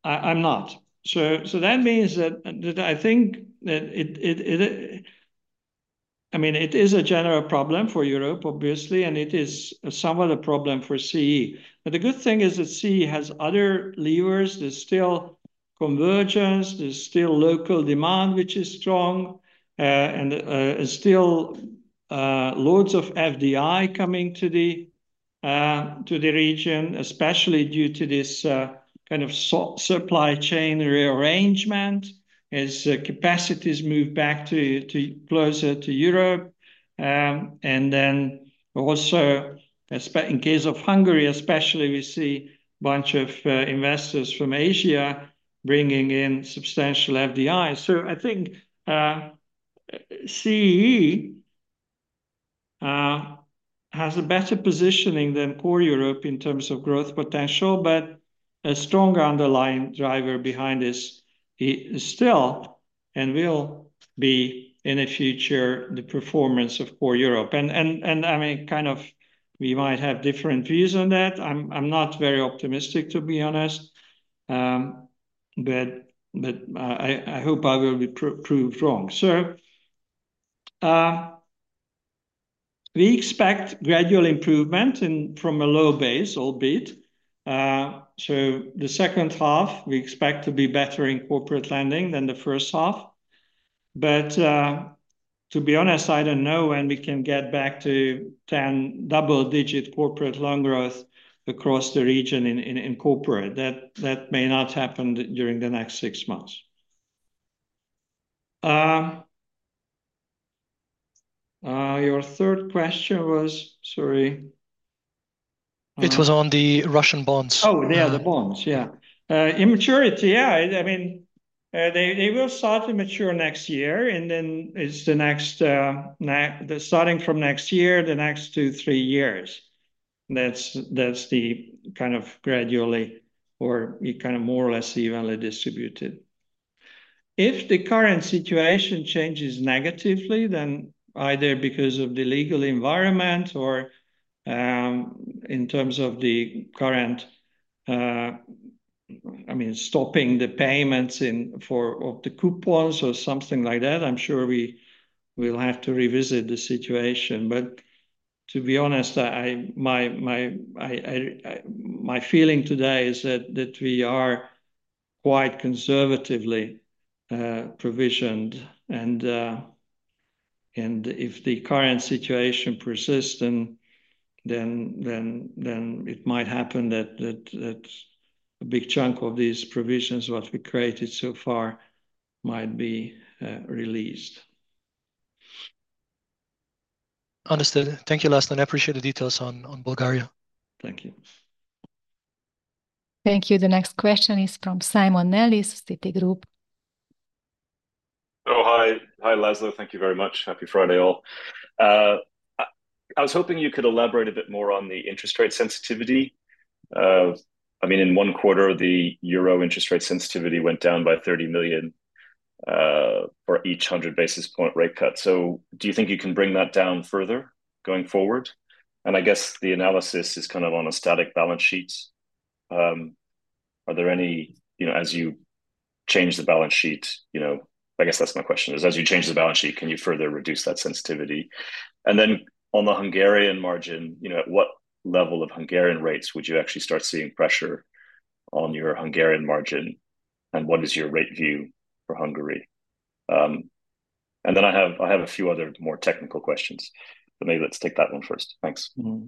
I'm not. So that means that I think that it—I mean, it is a general problem for Europe, obviously, and it is somewhat a problem for CEE. But the good thing is that CEE has other levers. There's still convergence, there's still local demand, which is strong, and there's still loads of FDI coming to the region, especially due to this kind of supply chain rearrangement, as capacities move back to closer to Europe. And then also, in case of Hungary especially, we see a bunch of investors from Asia bringing in substantial FDI. So I think, CEE, has a better positioning than core Europe in terms of growth potential, but a strong underlying driver behind this is still, and will be in the future, the performance of core Europe. And I mean, kind of we might have different views on that. I'm not very optimistic, to be honest, but I hope I will be proved wrong. So, we expect gradual improvement in from a low base, albeit. So the second half, we expect to be better in corporate lending than the first half. But, to be honest, I don't know when we can get back to ten double-digit corporate loan growth across the region in corporate. That may not happen during the next six months. Your third question was? Sorry. It was on the Russian bonds. Oh, yeah, the bonds. Yeah. Maturity, yeah, I mean, they will start to mature next year, and then it's the next—starting from next year, the next two, three years. That's the kind of gradually or kind of more or less evenly distributed. If the current situation changes negatively, then either because of the legal environment or, in terms of the current, I mean, stopping the payments in form of the coupons or something like that, I'm sure we will have to revisit the situation. But to be honest, my feeling today is that we are quite conservatively provisioned. And if the current situation persists, then it might happen that a big chunk of these provisions, what we created so far, might be released. Understood. Thank you, László. I appreciate the details on Bulgaria. Thank you. Thank you. The next question is from Simon Nellis, Citigroup. Oh, hi. Hi, László. Thank you very much. Happy Friday, all. I was hoping you could elaborate a bit more on the interest rate sensitivity. I mean, in one quarter, the euro interest rate sensitivity went down by 30 million for each 100 basis point rate cut. So do you think you can bring that down further going forward? And I guess the analysis is kind of on a static balance sheet. Are there any—you know, as you change the balance sheet, you know? I guess that's my question is: as you change the balance sheet, can you further reduce that sensitivity? And then on the Hungarian margin, you know, at what level of Hungarian rates would you actually start seeing pressure on your Hungarian margin, and what is your rate view for Hungary? And then I have a few other more technical questions, but maybe let's take that one first. Thanks. Mm-hmm.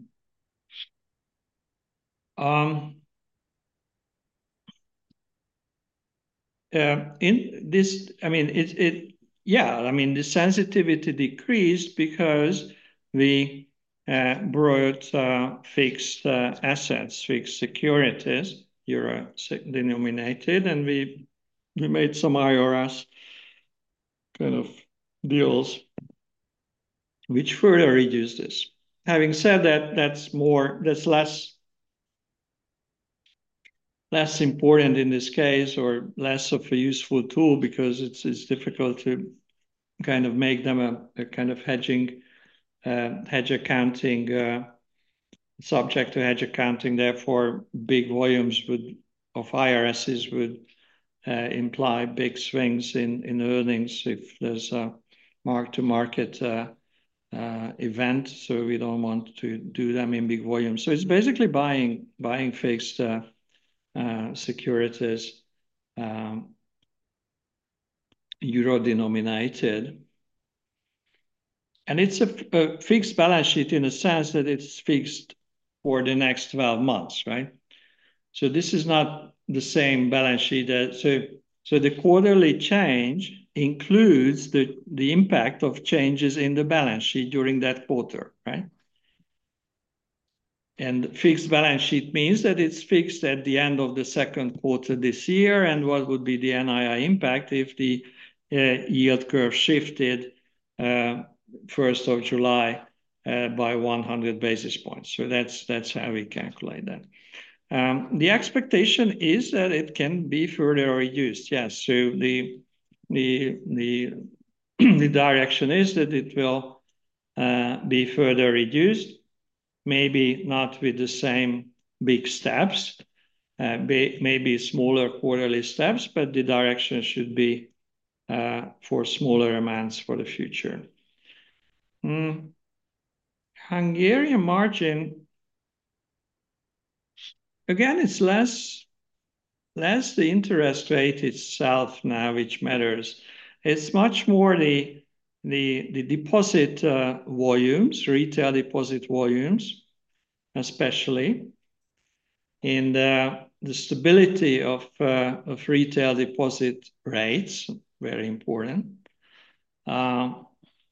In this—I mean, it—it—yeah, I mean, the sensitivity decreased because we brought fixed assets, fixed securities, euro-denominated, and we made some IRS kind of deals which further reduce this. Having said that, that's more—that's less, less important in this case or less of a useful tool because it's difficult to kind of make them a kind of hedging hedge accounting subject to hedge accounting. Therefore, big volumes would of IRSs would imply big swings in earnings if there's a mark-to-market event, so we don't want to do them in big volume. So it's basically buying buying fixed securities, euro-denominated, and it's a fixed balance sheet in a sense that it's fixed for the next 12 months, right? So this is not the same balance sheet that. So the quarterly change includes the impact of changes in the balance sheet during that quarter, right? And fixed balance sheet means that it's fixed at the end of the second quarter this year, and what would be the NII impact if the yield curve shifted first of July by 100 basis points? So that's how we calculate that. The expectation is that it can be further reduced. Yes, so the direction is that it will be further reduced, maybe not with the same big steps, maybe smaller quarterly steps, but the direction should be for smaller amounts for the future. Hungarian margin, again, it's less the interest rate itself now, which matters. It's much more the deposit volumes, retail deposit volumes, especially, and the stability of retail deposit rates, very important.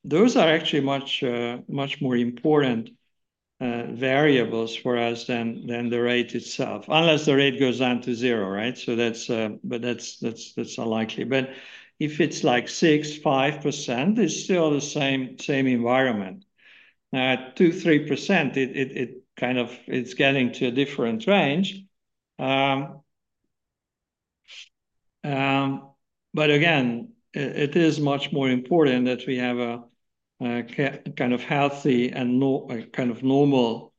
Those are actually much more important variables for us than the rate itself, unless the rate goes down to zero, right? So that's, but that's unlikely. But if it's like 6, 5%, it's still the same environment. At 2, 3%, it kind of-- it's getting to a different range. But again, it is much more important that we have a kind of healthy and nor- a kind of normal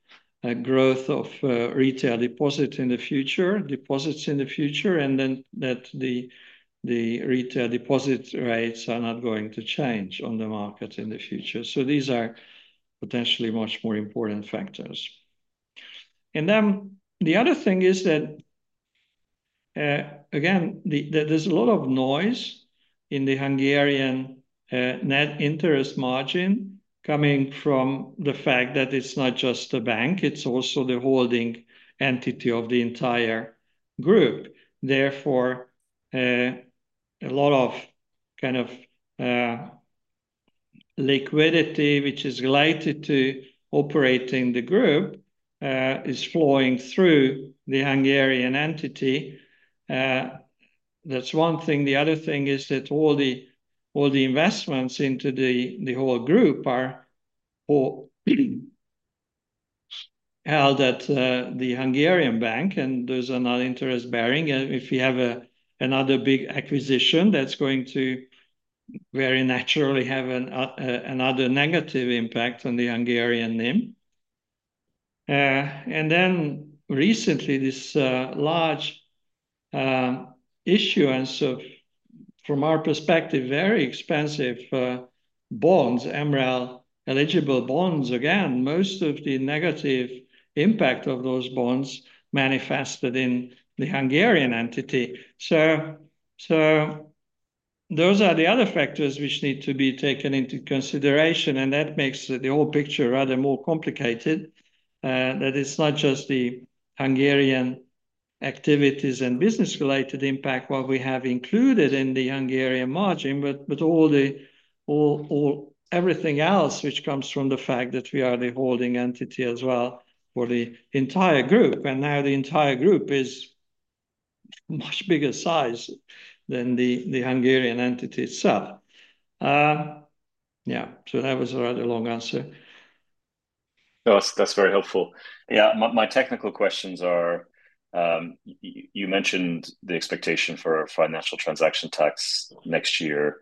growth of retail deposits in the future- deposits in the future, and then that the retail deposit rates are not going to change on the market in the future. So these are potentially much more important factors. And then the other thing is that again, there's a lot of noise in the Hungarian net interest margin coming from the fact that it's not just a bank, it's also the holding entity of the entire group. Therefore, a lot of kind of liquidity, which is related to operating the group, is flowing through the Hungarian entity. That's one thing. The other thing is that all the investments into the whole group are all held at the Hungarian bank, and those are not interest bearing. And if you have another big acquisition, that's going to very naturally have another negative impact on the Hungarian NIM. And then recently, this large issuance of, from our perspective, very expensive bonds, MREL-eligible bonds. Again, most of the negative impact of those bonds manifested in the Hungarian entity. So those are the other factors which need to be taken into consideration, and that makes the whole picture rather more complicated. That it's not just the Hungarian activities and business related impact, what we have included in the Hungarian margin, but all everything else, which comes from the fact that we are the holding entity as well for the entire group, and now the entire group is much bigger size than the Hungarian entity itself. Yeah, so that was a rather long answer. No, that's very helpful. Yeah, my technical questions are, you mentioned the expectation for a financial transaction tax next year.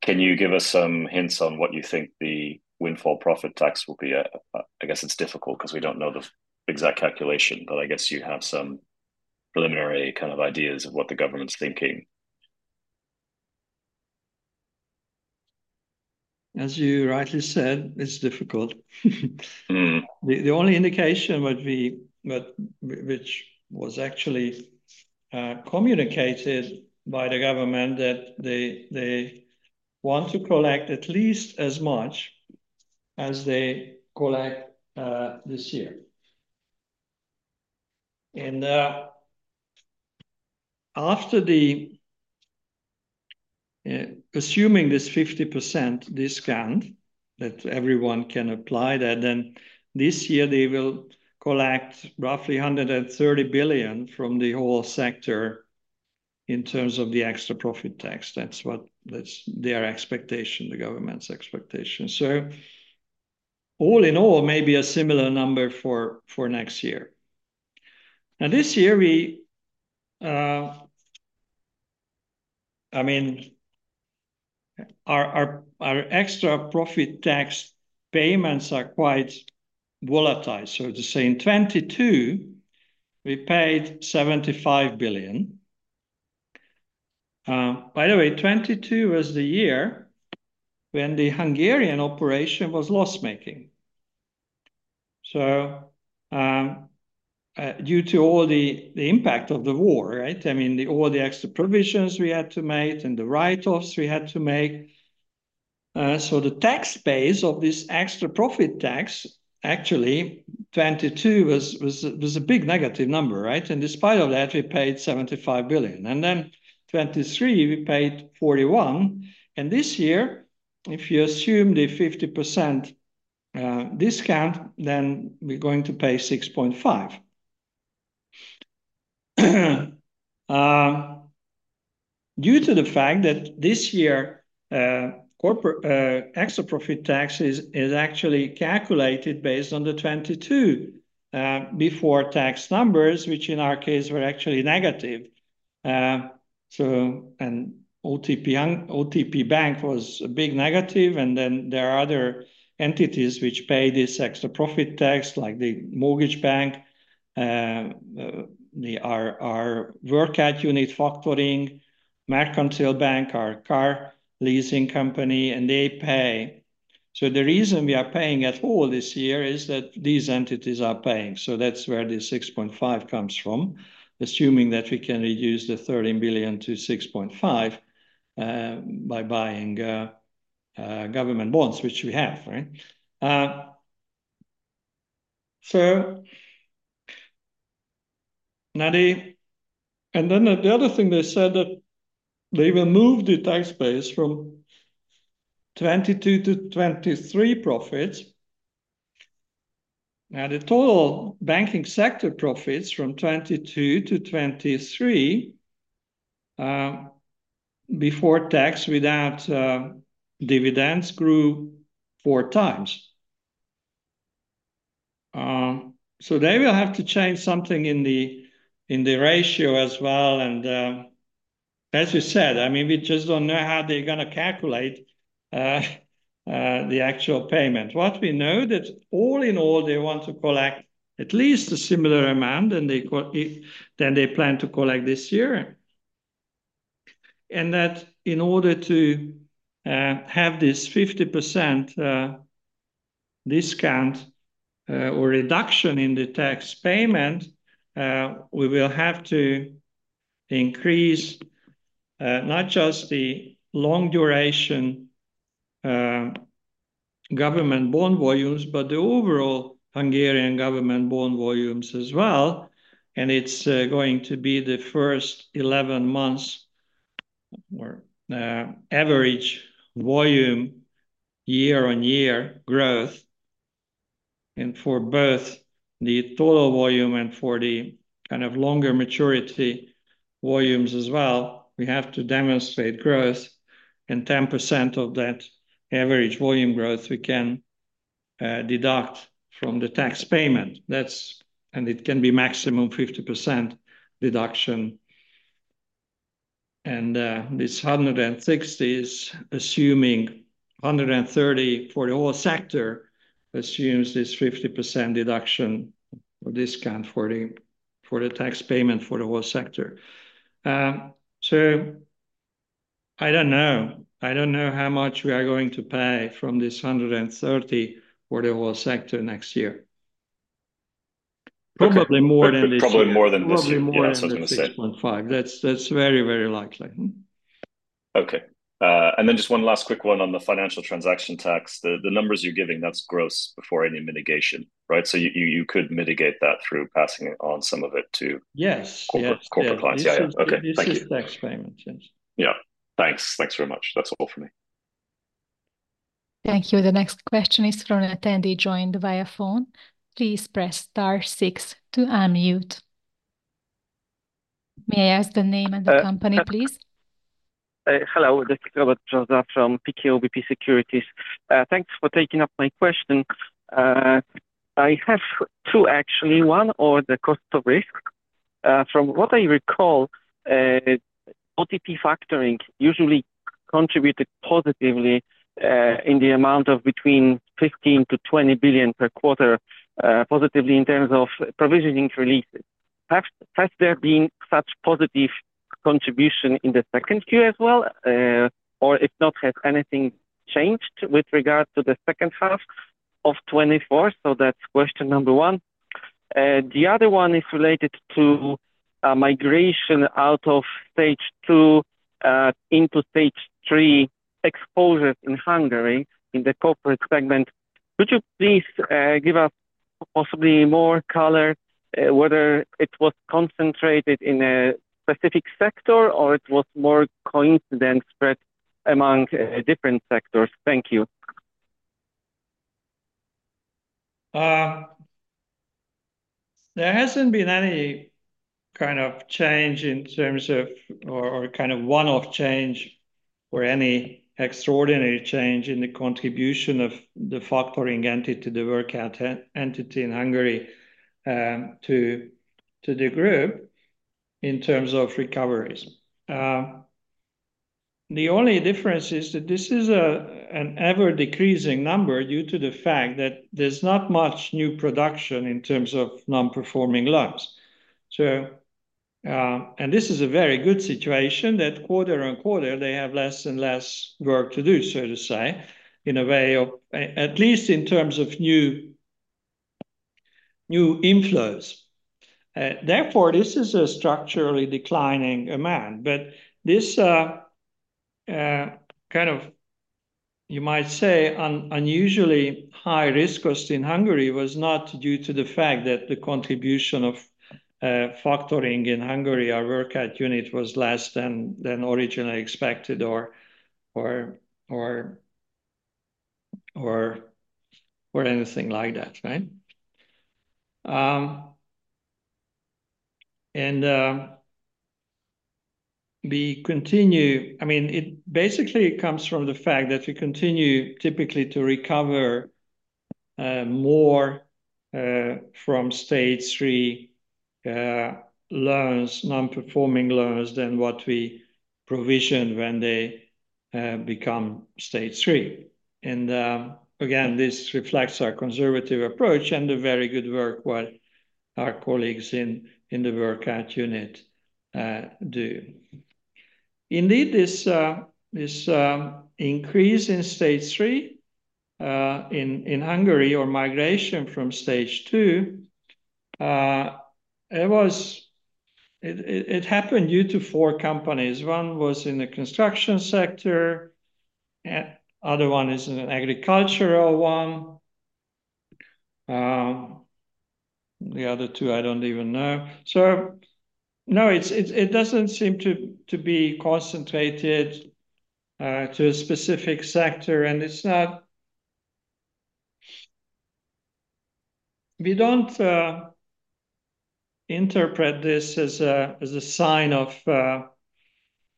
Can you give us some hints on what you think the windfall profit tax will be? I guess it's difficult because we don't know the exact calculation, but I guess you have some preliminary kind of ideas of what the government's thinking. As you rightly said, it's difficult. Mm. The only indication would be which was actually communicated by the government, that they want to collect at least as much as they collect this year. And after the assuming this 50% discount, that everyone can apply that, then this year they will collect roughly 130 billion from the whole sector in terms of the extra profit tax. That's what that's their expectation, the government's expectation. So all in all, maybe a similar number for next year. And this year, we I mean, our extra profit tax payments are quite volatile. So to say in 2022, we paid 75 billion. By the way, 2022 was the year when the Hungarian operation was loss-making. So due to all the impact of the war, right? I mean, all the extra provisions we had to make and the write-offs we had to make. So the tax base of this extra profit tax, actually, 2022 was a big negative number, right? And despite that, we paid 75 billion, and then 2023, we paid 41, and this year, if you assume the 50% discount, then we're going to pay 6.5. Due to the fact that this year, corporate extra profit tax is actually calculated based on the 2022 before tax numbers, which in our case, were actually negative. So OTP Bank was a big negative, and then there are other entities which pay this extra profit tax, like the mortgage bank, our workout unit factoring, Merkantil Bank, our car leasing company, and they pay. So the reason we are paying at all this year is that these entities are paying, so that's where the 6.5 billion comes from, assuming that we can reduce the 13 billion to 6.5 billion by buying government bonds, which we have, right? And then the other thing, they said that they will move the tax base from 2022 to 2023 profits. Now, the total banking sector profits from 2022 to 2023, before tax, without dividends, grew four times. So they will have to change something in the ratio as well, and, as you said, I mean, we just don't know how they're gonna calculate the actual payment. What we know that all in all, they want to collect at least a similar amount, and they co-- than they plan to collect this year.... and that in order to have this 50% discount or reduction in the tax payment we will have to increase not just the long duration government bond volumes but the overall Hungarian government bond volumes as well. And it's going to be the first 11 months or average volume year-on-year growth. And for both the total volume and for the kind of longer maturity volumes as well we have to demonstrate growth, and 10% of that average volume growth we can deduct from the tax payment. That's and it can be maximum 50% deduction. And this 160 is assuming 130 for the whole sector, assumes this 50% deduction or discount for the for the tax payment for the whole sector. So I don't know. I don't know how much we are going to pay from this 130 for the whole sector next year. Okay. Probably more than this. Probably more than this year. Yeah, that's what I'm going to say. 6.5. That's, that's very, very likely. Mm-hmm. Okay. And then just one last quick one on the Financial Transaction Tax. The numbers you're giving, that's gross before any mitigation, right? So you could mitigate that through passing it on some of it to- Yes... corporate, corporate clients. Yeah, yeah. Okay. Thank you. This is tax payment. Yes. Yeah. Thanks. Thanks very much. That's all for me. Thank you. The next question is from an attendee joined via phone. Please press star six to unmute. May I ask the name and the company, please? Hello. This is Robert Joseph from PKO BP Securities. Thanks for taking up my question. I have two, actually. One on the cost of risk. From what I recall, OTP Factoring usually contributed positively, in the amount of between 15 billion-20 billion per quarter, positively in terms of provisioning releases. Has there been such positive contribution in the second quarter as well? Or if not, has anything changed with regard to the second half of 2024? So that's question number one. The other one is related to, migration out of Stage 2, into Stage 3 exposures in Hungary in the corporate segment. Could you please, give us possibly more color, whether it was concentrated in a specific sector or it was more coincident spread among, different sectors? Thank you. There hasn't been any kind of change in terms of one-off change or any extraordinary change in the contribution of the factoring entity to the workout entity in Hungary, to the group in terms of recoveries. The only difference is that this is an ever-decreasing number due to the fact that there's not much new production in terms of non-performing loans. So, and this is a very good situation, that quarter-over-quarter they have less and less work to do, so to say, in a way of at least in terms of new inflows. Therefore, this is a structurally declining amount. But this kind of, you might say, unusually high risk cost in Hungary was not due to the fact that the contribution of factoring in Hungary, our workout unit, was less than originally expected or anything like that, right? I mean, it basically comes from the fact that we continue typically to recover more from stage 3 loans, non-performing loans, than what we provision when they become stage 3. And again, this reflects our conservative approach and the very good work what our colleagues in the workout unit do. Indeed, this increase in stage 3 in Hungary or migration from stage two it happened due to four companies. One was in the construction sector, and other one is in an agricultural one. The other two, I don't even know. So no, it doesn't seem to be concentrated to a specific sector, and it's not... We don't interpret this as a sign of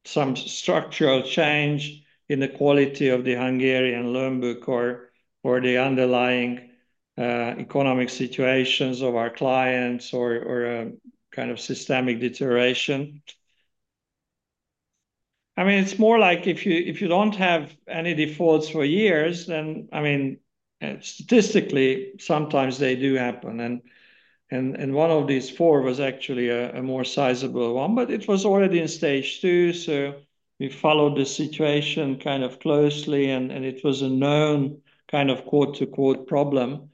some structural change in the quality of the Hungarian loan book or the underlying economic situations of our clients or a kind of systemic deterioration. I mean, it's more like if you don't have any defaults for years, then, I mean... and statistically, sometimes they do happen, and one of these four was actually a more sizable one, but it was already in stage two, so we followed the situation kind of closely, and it was a known kind of quote-unquote "problem."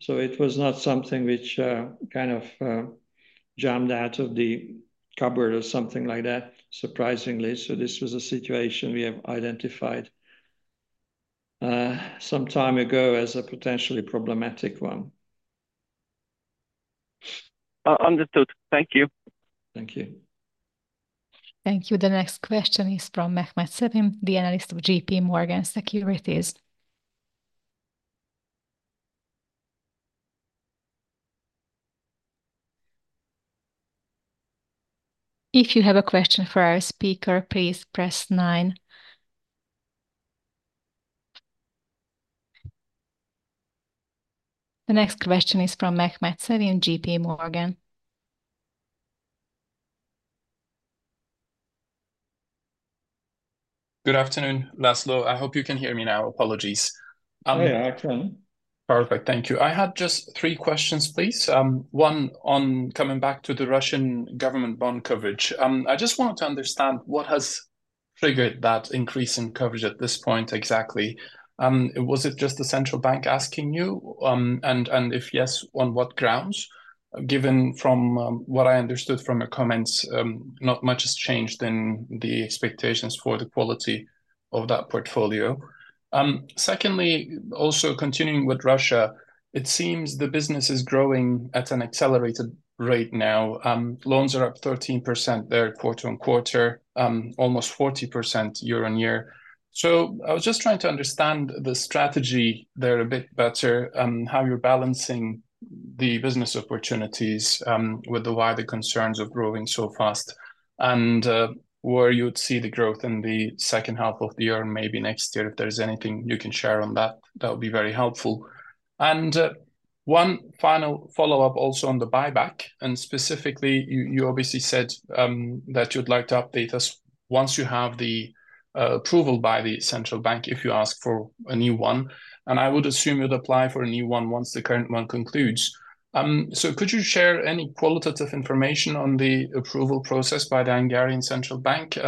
So it was not something which kind of jumped out of the cupboard or something like that, surprisingly. So this was a situation we have identified some time ago as a potentially problematic one. Understood. Thank you. Thank you. Thank you. The next question is from Mehmet Sevim, the analyst of J.P. Morgan. If you have a question for our speaker, please press nine. The next question is from Mehmet Sevim, J.P. Morgan. Good afternoon, László. I hope you can hear me now. Apologies. Yeah, I can. Perfect. Thank you. I had just three questions, please. One, coming back to the Russian government bond coverage. I just wanted to understand what has triggered that increase in coverage at this point exactly? Was it just the central bank asking you? And if yes, on what grounds? Given from what I understood from your comments, not much has changed in the expectations for the quality of that portfolio. Secondly, also continuing with Russia, it seems the business is growing at an accelerated rate now. Loans are up 13% there quarter-on-quarter, almost 40% year-on-year. So I was just trying to understand the strategy there a bit better, and how you're balancing the business opportunities with the wider concerns of growing so fast, and where you would see the growth in the second half of the year, and maybe next year. If there is anything you can share on that, that would be very helpful. And one final follow-up also on the buyback, and specifically, you obviously said that you'd like to update us once you have the approval by the central bank, if you ask for a new one. And I would assume you'd apply for a new one once the current one concludes. So could you share any qualitative information on the approval process by the Hungarian Central Bank?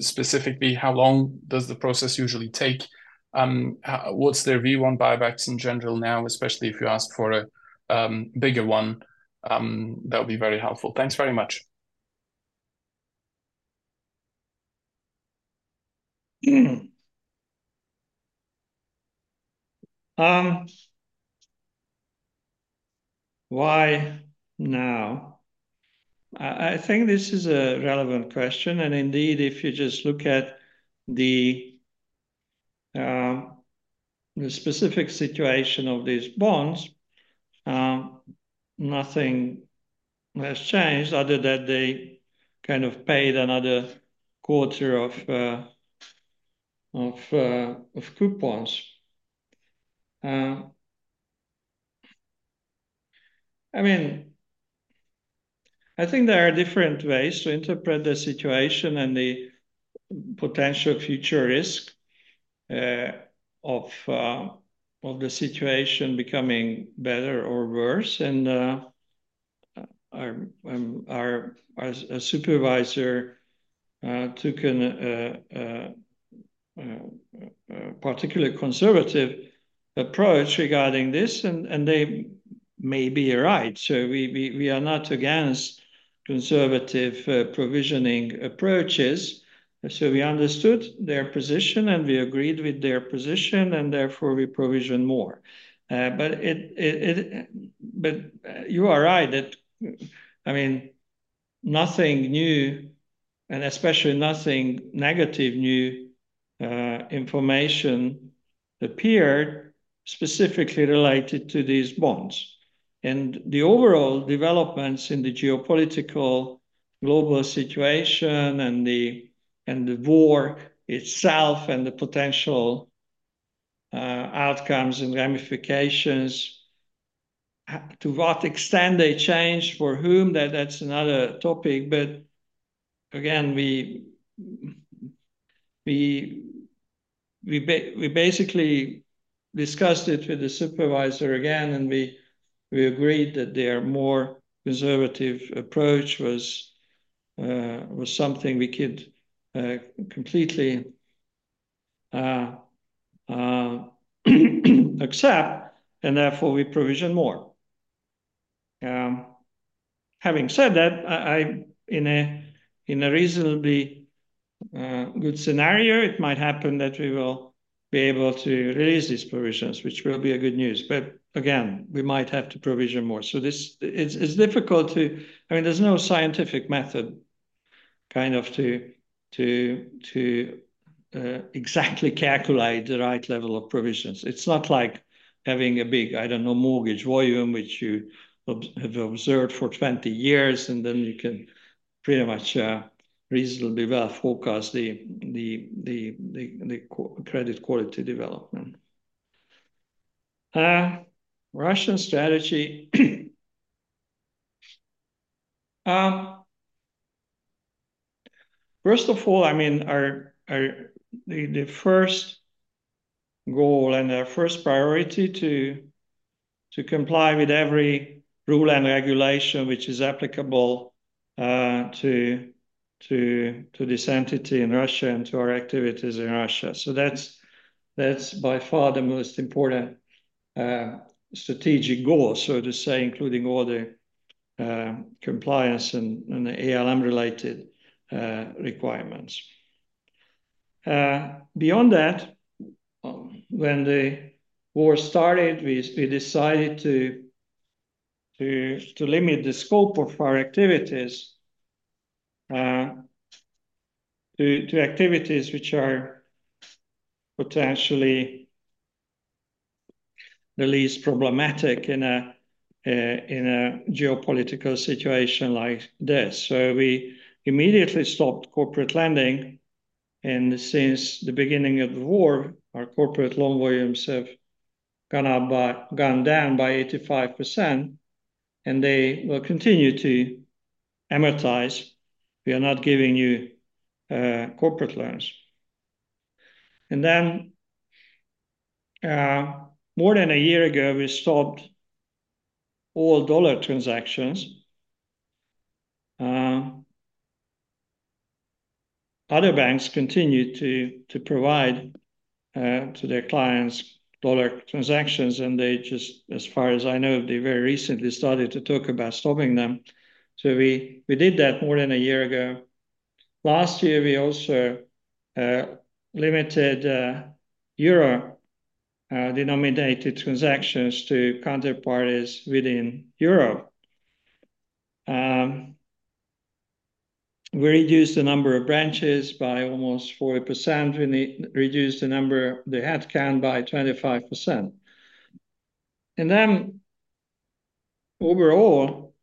Specifically, how long does the process usually take? What's their view on buybacks in general now, especially if you ask for a bigger one? That would be very helpful. Thanks very much. Why now? I think this is a relevant question, and indeed, if you just look at the specific situation of these bonds, nothing has changed, other than they kind of paid another quarter of coupons. I mean, I think there are different ways to interpret the situation and the potential future risk of the situation becoming better or worse. Our supervisor took a particularly conservative approach regarding this, and they may be right. So we are not against conservative provisioning approaches. So we understood their position, and we agreed with their position, and therefore we provision more. But you are right, that I mean, nothing new and especially nothing negative new information appeared specifically related to these bonds. And the overall developments in the geopolitical global situation, and the war itself, and the potential outcomes and ramifications to what extent they change for whom, that's another topic. But again, we basically discussed it with the supervisor again, and we agreed that their more conservative approach was something we could completely accept, and therefore we provision more. Having said that, in a reasonably good scenario, it might happen that we will be able to release these provisions, which will be a good news, but again, we might have to provision more. So this is difficult to—I mean, there's no scientific method kind of to exactly calculate the right level of provisions. It's not like having a big, I don't know, mortgage volume, which you have observed for 20 years, and then you can pretty much reasonably well forecast the credit quality development. Russian strategy. First of all, I mean, our first goal and our first priority to comply with every rule and regulation which is applicable to this entity in Russia and to our activities in Russia. So that's by far the most important strategic goal, so to say, including all the compliance and the ALM related requirements. Beyond that, when the war started, we decided to limit the scope of our activities to activities which are potentially the least problematic in a geopolitical situation like this. So we immediately stopped corporate lending, and since the beginning of the war, our corporate loan volumes have gone down by 85%, and they will continue to amortize. We are not giving new corporate loans. And then, more than a year ago, we stopped all dollar transactions. Other banks continued to provide to their clients dollar transactions, and they just, as far as I know, they very recently started to talk about stopping them, so we did that more than a year ago. Last year, we also limited euro denominated transactions to counterparties within Europe. We reduced the number of branches by almost 40%. We reduced the number, the headcount by 25%. And then overall,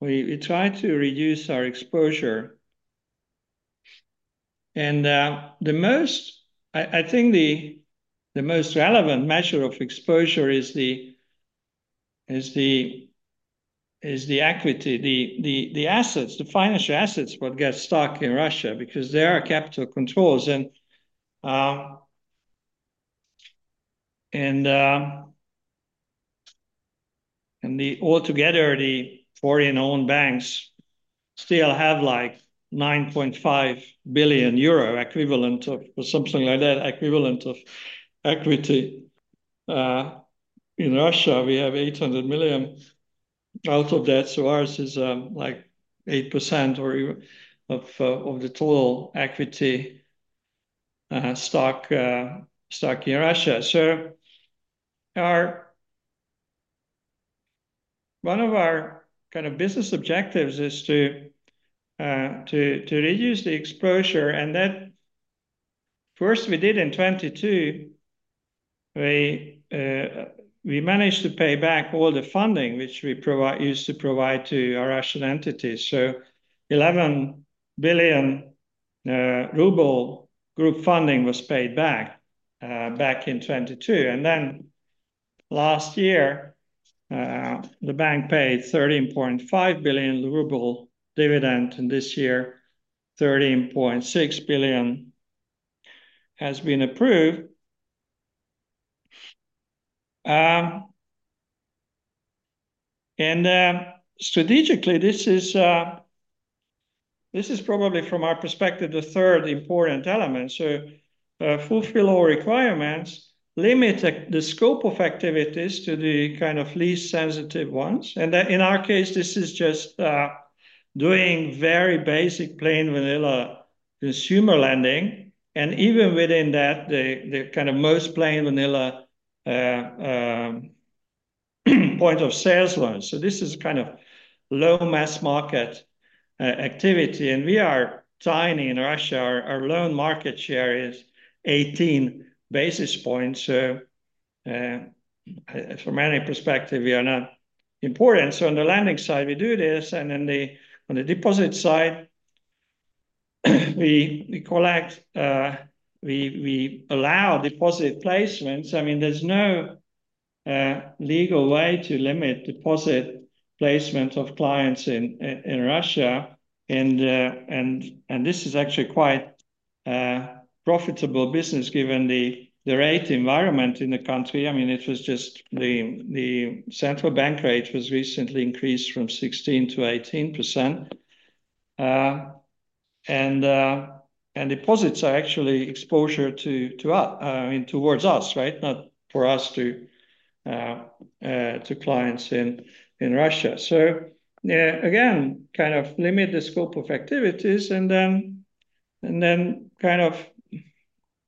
we tried to reduce our exposure. And the most relevant measure of exposure is the equity, the assets, the financial assets, what gets stuck in Russia, because there are capital controls and the altogether, the foreign-owned banks still have like 9.5 billion euro equivalent of, or something like that, equivalent of equity in Russia, we have 800 million out of that, so ours is like 8% or of the total equity, stock, stock in Russia. So one of our kind of business objectives is to reduce the exposure. That first we did in 2022, we managed to pay back all the funding, which we used to provide to our Russian entities. So 11 billion ruble group funding was paid back back in 2022. And then last year, the bank paid 13.5 billion ruble dividend, and this year, 13.6 billion has been approved. And strategically, this is probably, from our perspective, the third important element. So fulfill all requirements, limit the scope of activities to the kind of least sensitive ones. And then in our case, this is just doing very basic plain vanilla consumer lending, and even within that, the kind of most plain vanilla point of sales loans. So this is kind of low mass market activity, and we are tiny in Russia. Our loan market share is 18 basis points. So from any perspective, we are not important. So on the lending side, we do this, and then on the deposit side, we collect, we allow deposit placements. I mean, there's no legal way to limit deposit placement of clients in Russia. And this is actually quite profitable business given the rate environment in the country. I mean, it was just the central bank rate was recently increased from 16%-18%. And deposits are actually exposure to us, I mean, towards us, right? Not for us to clients in Russia. So, again, kind of limit the scope of activities and then, and then kind of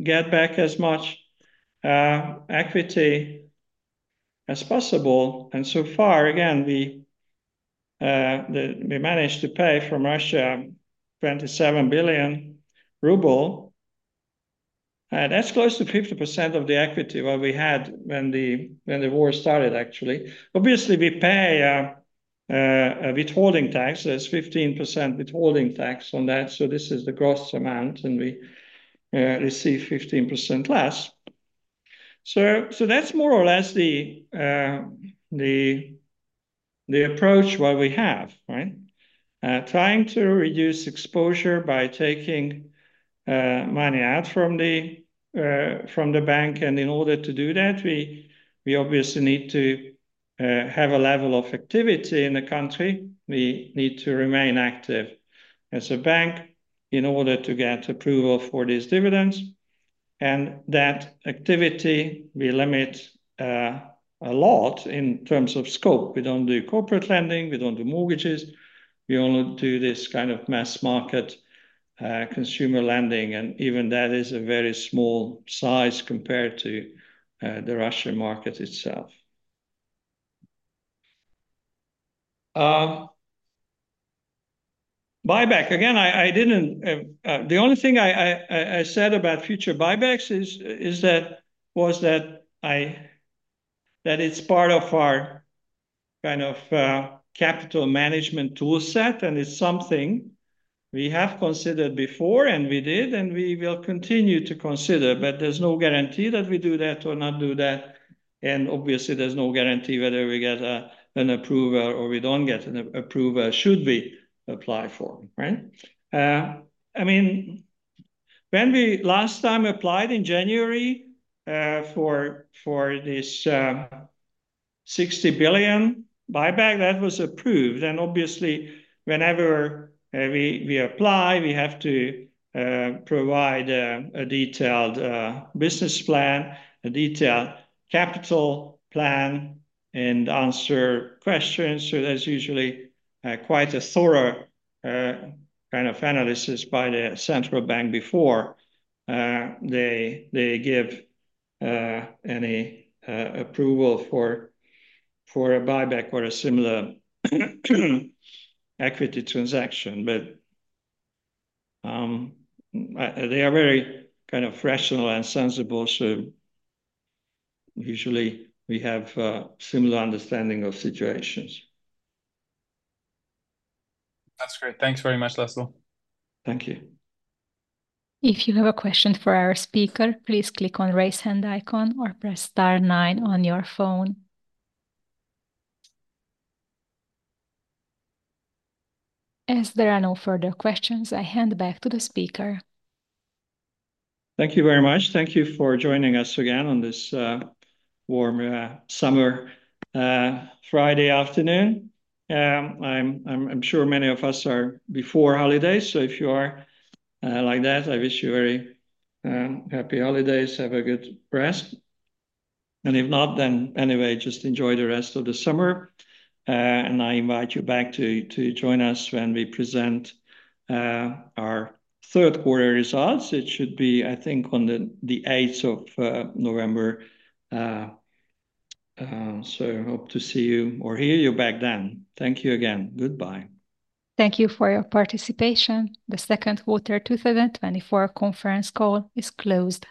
get back as much equity as possible. And so far, again, we managed to pay from Russia, 27 billion ruble. That's close to 50% of the equity what we had when the war started, actually. Obviously, we pay a withholding tax. There's 15% withholding tax on that, so this is the gross amount, and we receive 15% less... So, that's more or less the approach what we have, right? Trying to reduce exposure by taking money out from the bank. And in order to do that, we obviously need to have a level of activity in the country. We need to remain active as a bank in order to get approval for these dividends. And that activity, we limit a lot in terms of scope. We don't do corporate lending, we don't do mortgages, we only do this kind of mass market consumer lending, and even that is a very small size compared to the Russian market itself. Buyback. Again, the only thing I said about future buybacks is that it's part of our kind of capital management tool set, and it's something we have considered before, and we did, and we will continue to consider. But there's no guarantee that we do that or not do that, and obviously there's no guarantee whether we get an approval or we don't get an approval, should we apply for them, right? I mean, when we last time applied in January for this 60 billion buyback, that was approved. Obviously, whenever we apply, we have to provide a detailed business plan, a detailed capital plan, and answer questions. So there's usually quite a thorough kind of analysis by the central bank before they give any approval for a buyback or a similar equity transaction. But they are very kind of rational and sensible, so usually we have a similar understanding of situations. That's great. Thanks very much, László. Thank you. If you have a question for our speaker, please click on Raise Hand icon or press star nine on your phone. As there are no further questions, I hand back to the speaker. Thank you very much. Thank you for joining us again on this warm summer Friday afternoon. I'm sure many of us are before holidays, so if you are like that, I wish you a very happy holidays. Have a good rest. And if not, then anyway, just enjoy the rest of the summer, and I invite you back to join us when we present our third quarter results. It should be, I think, on the eighth of November. So hope to see you or hear you back then. Thank you again. Goodbye. Thank you for your participation. The second quarter 2024 conference call is closed.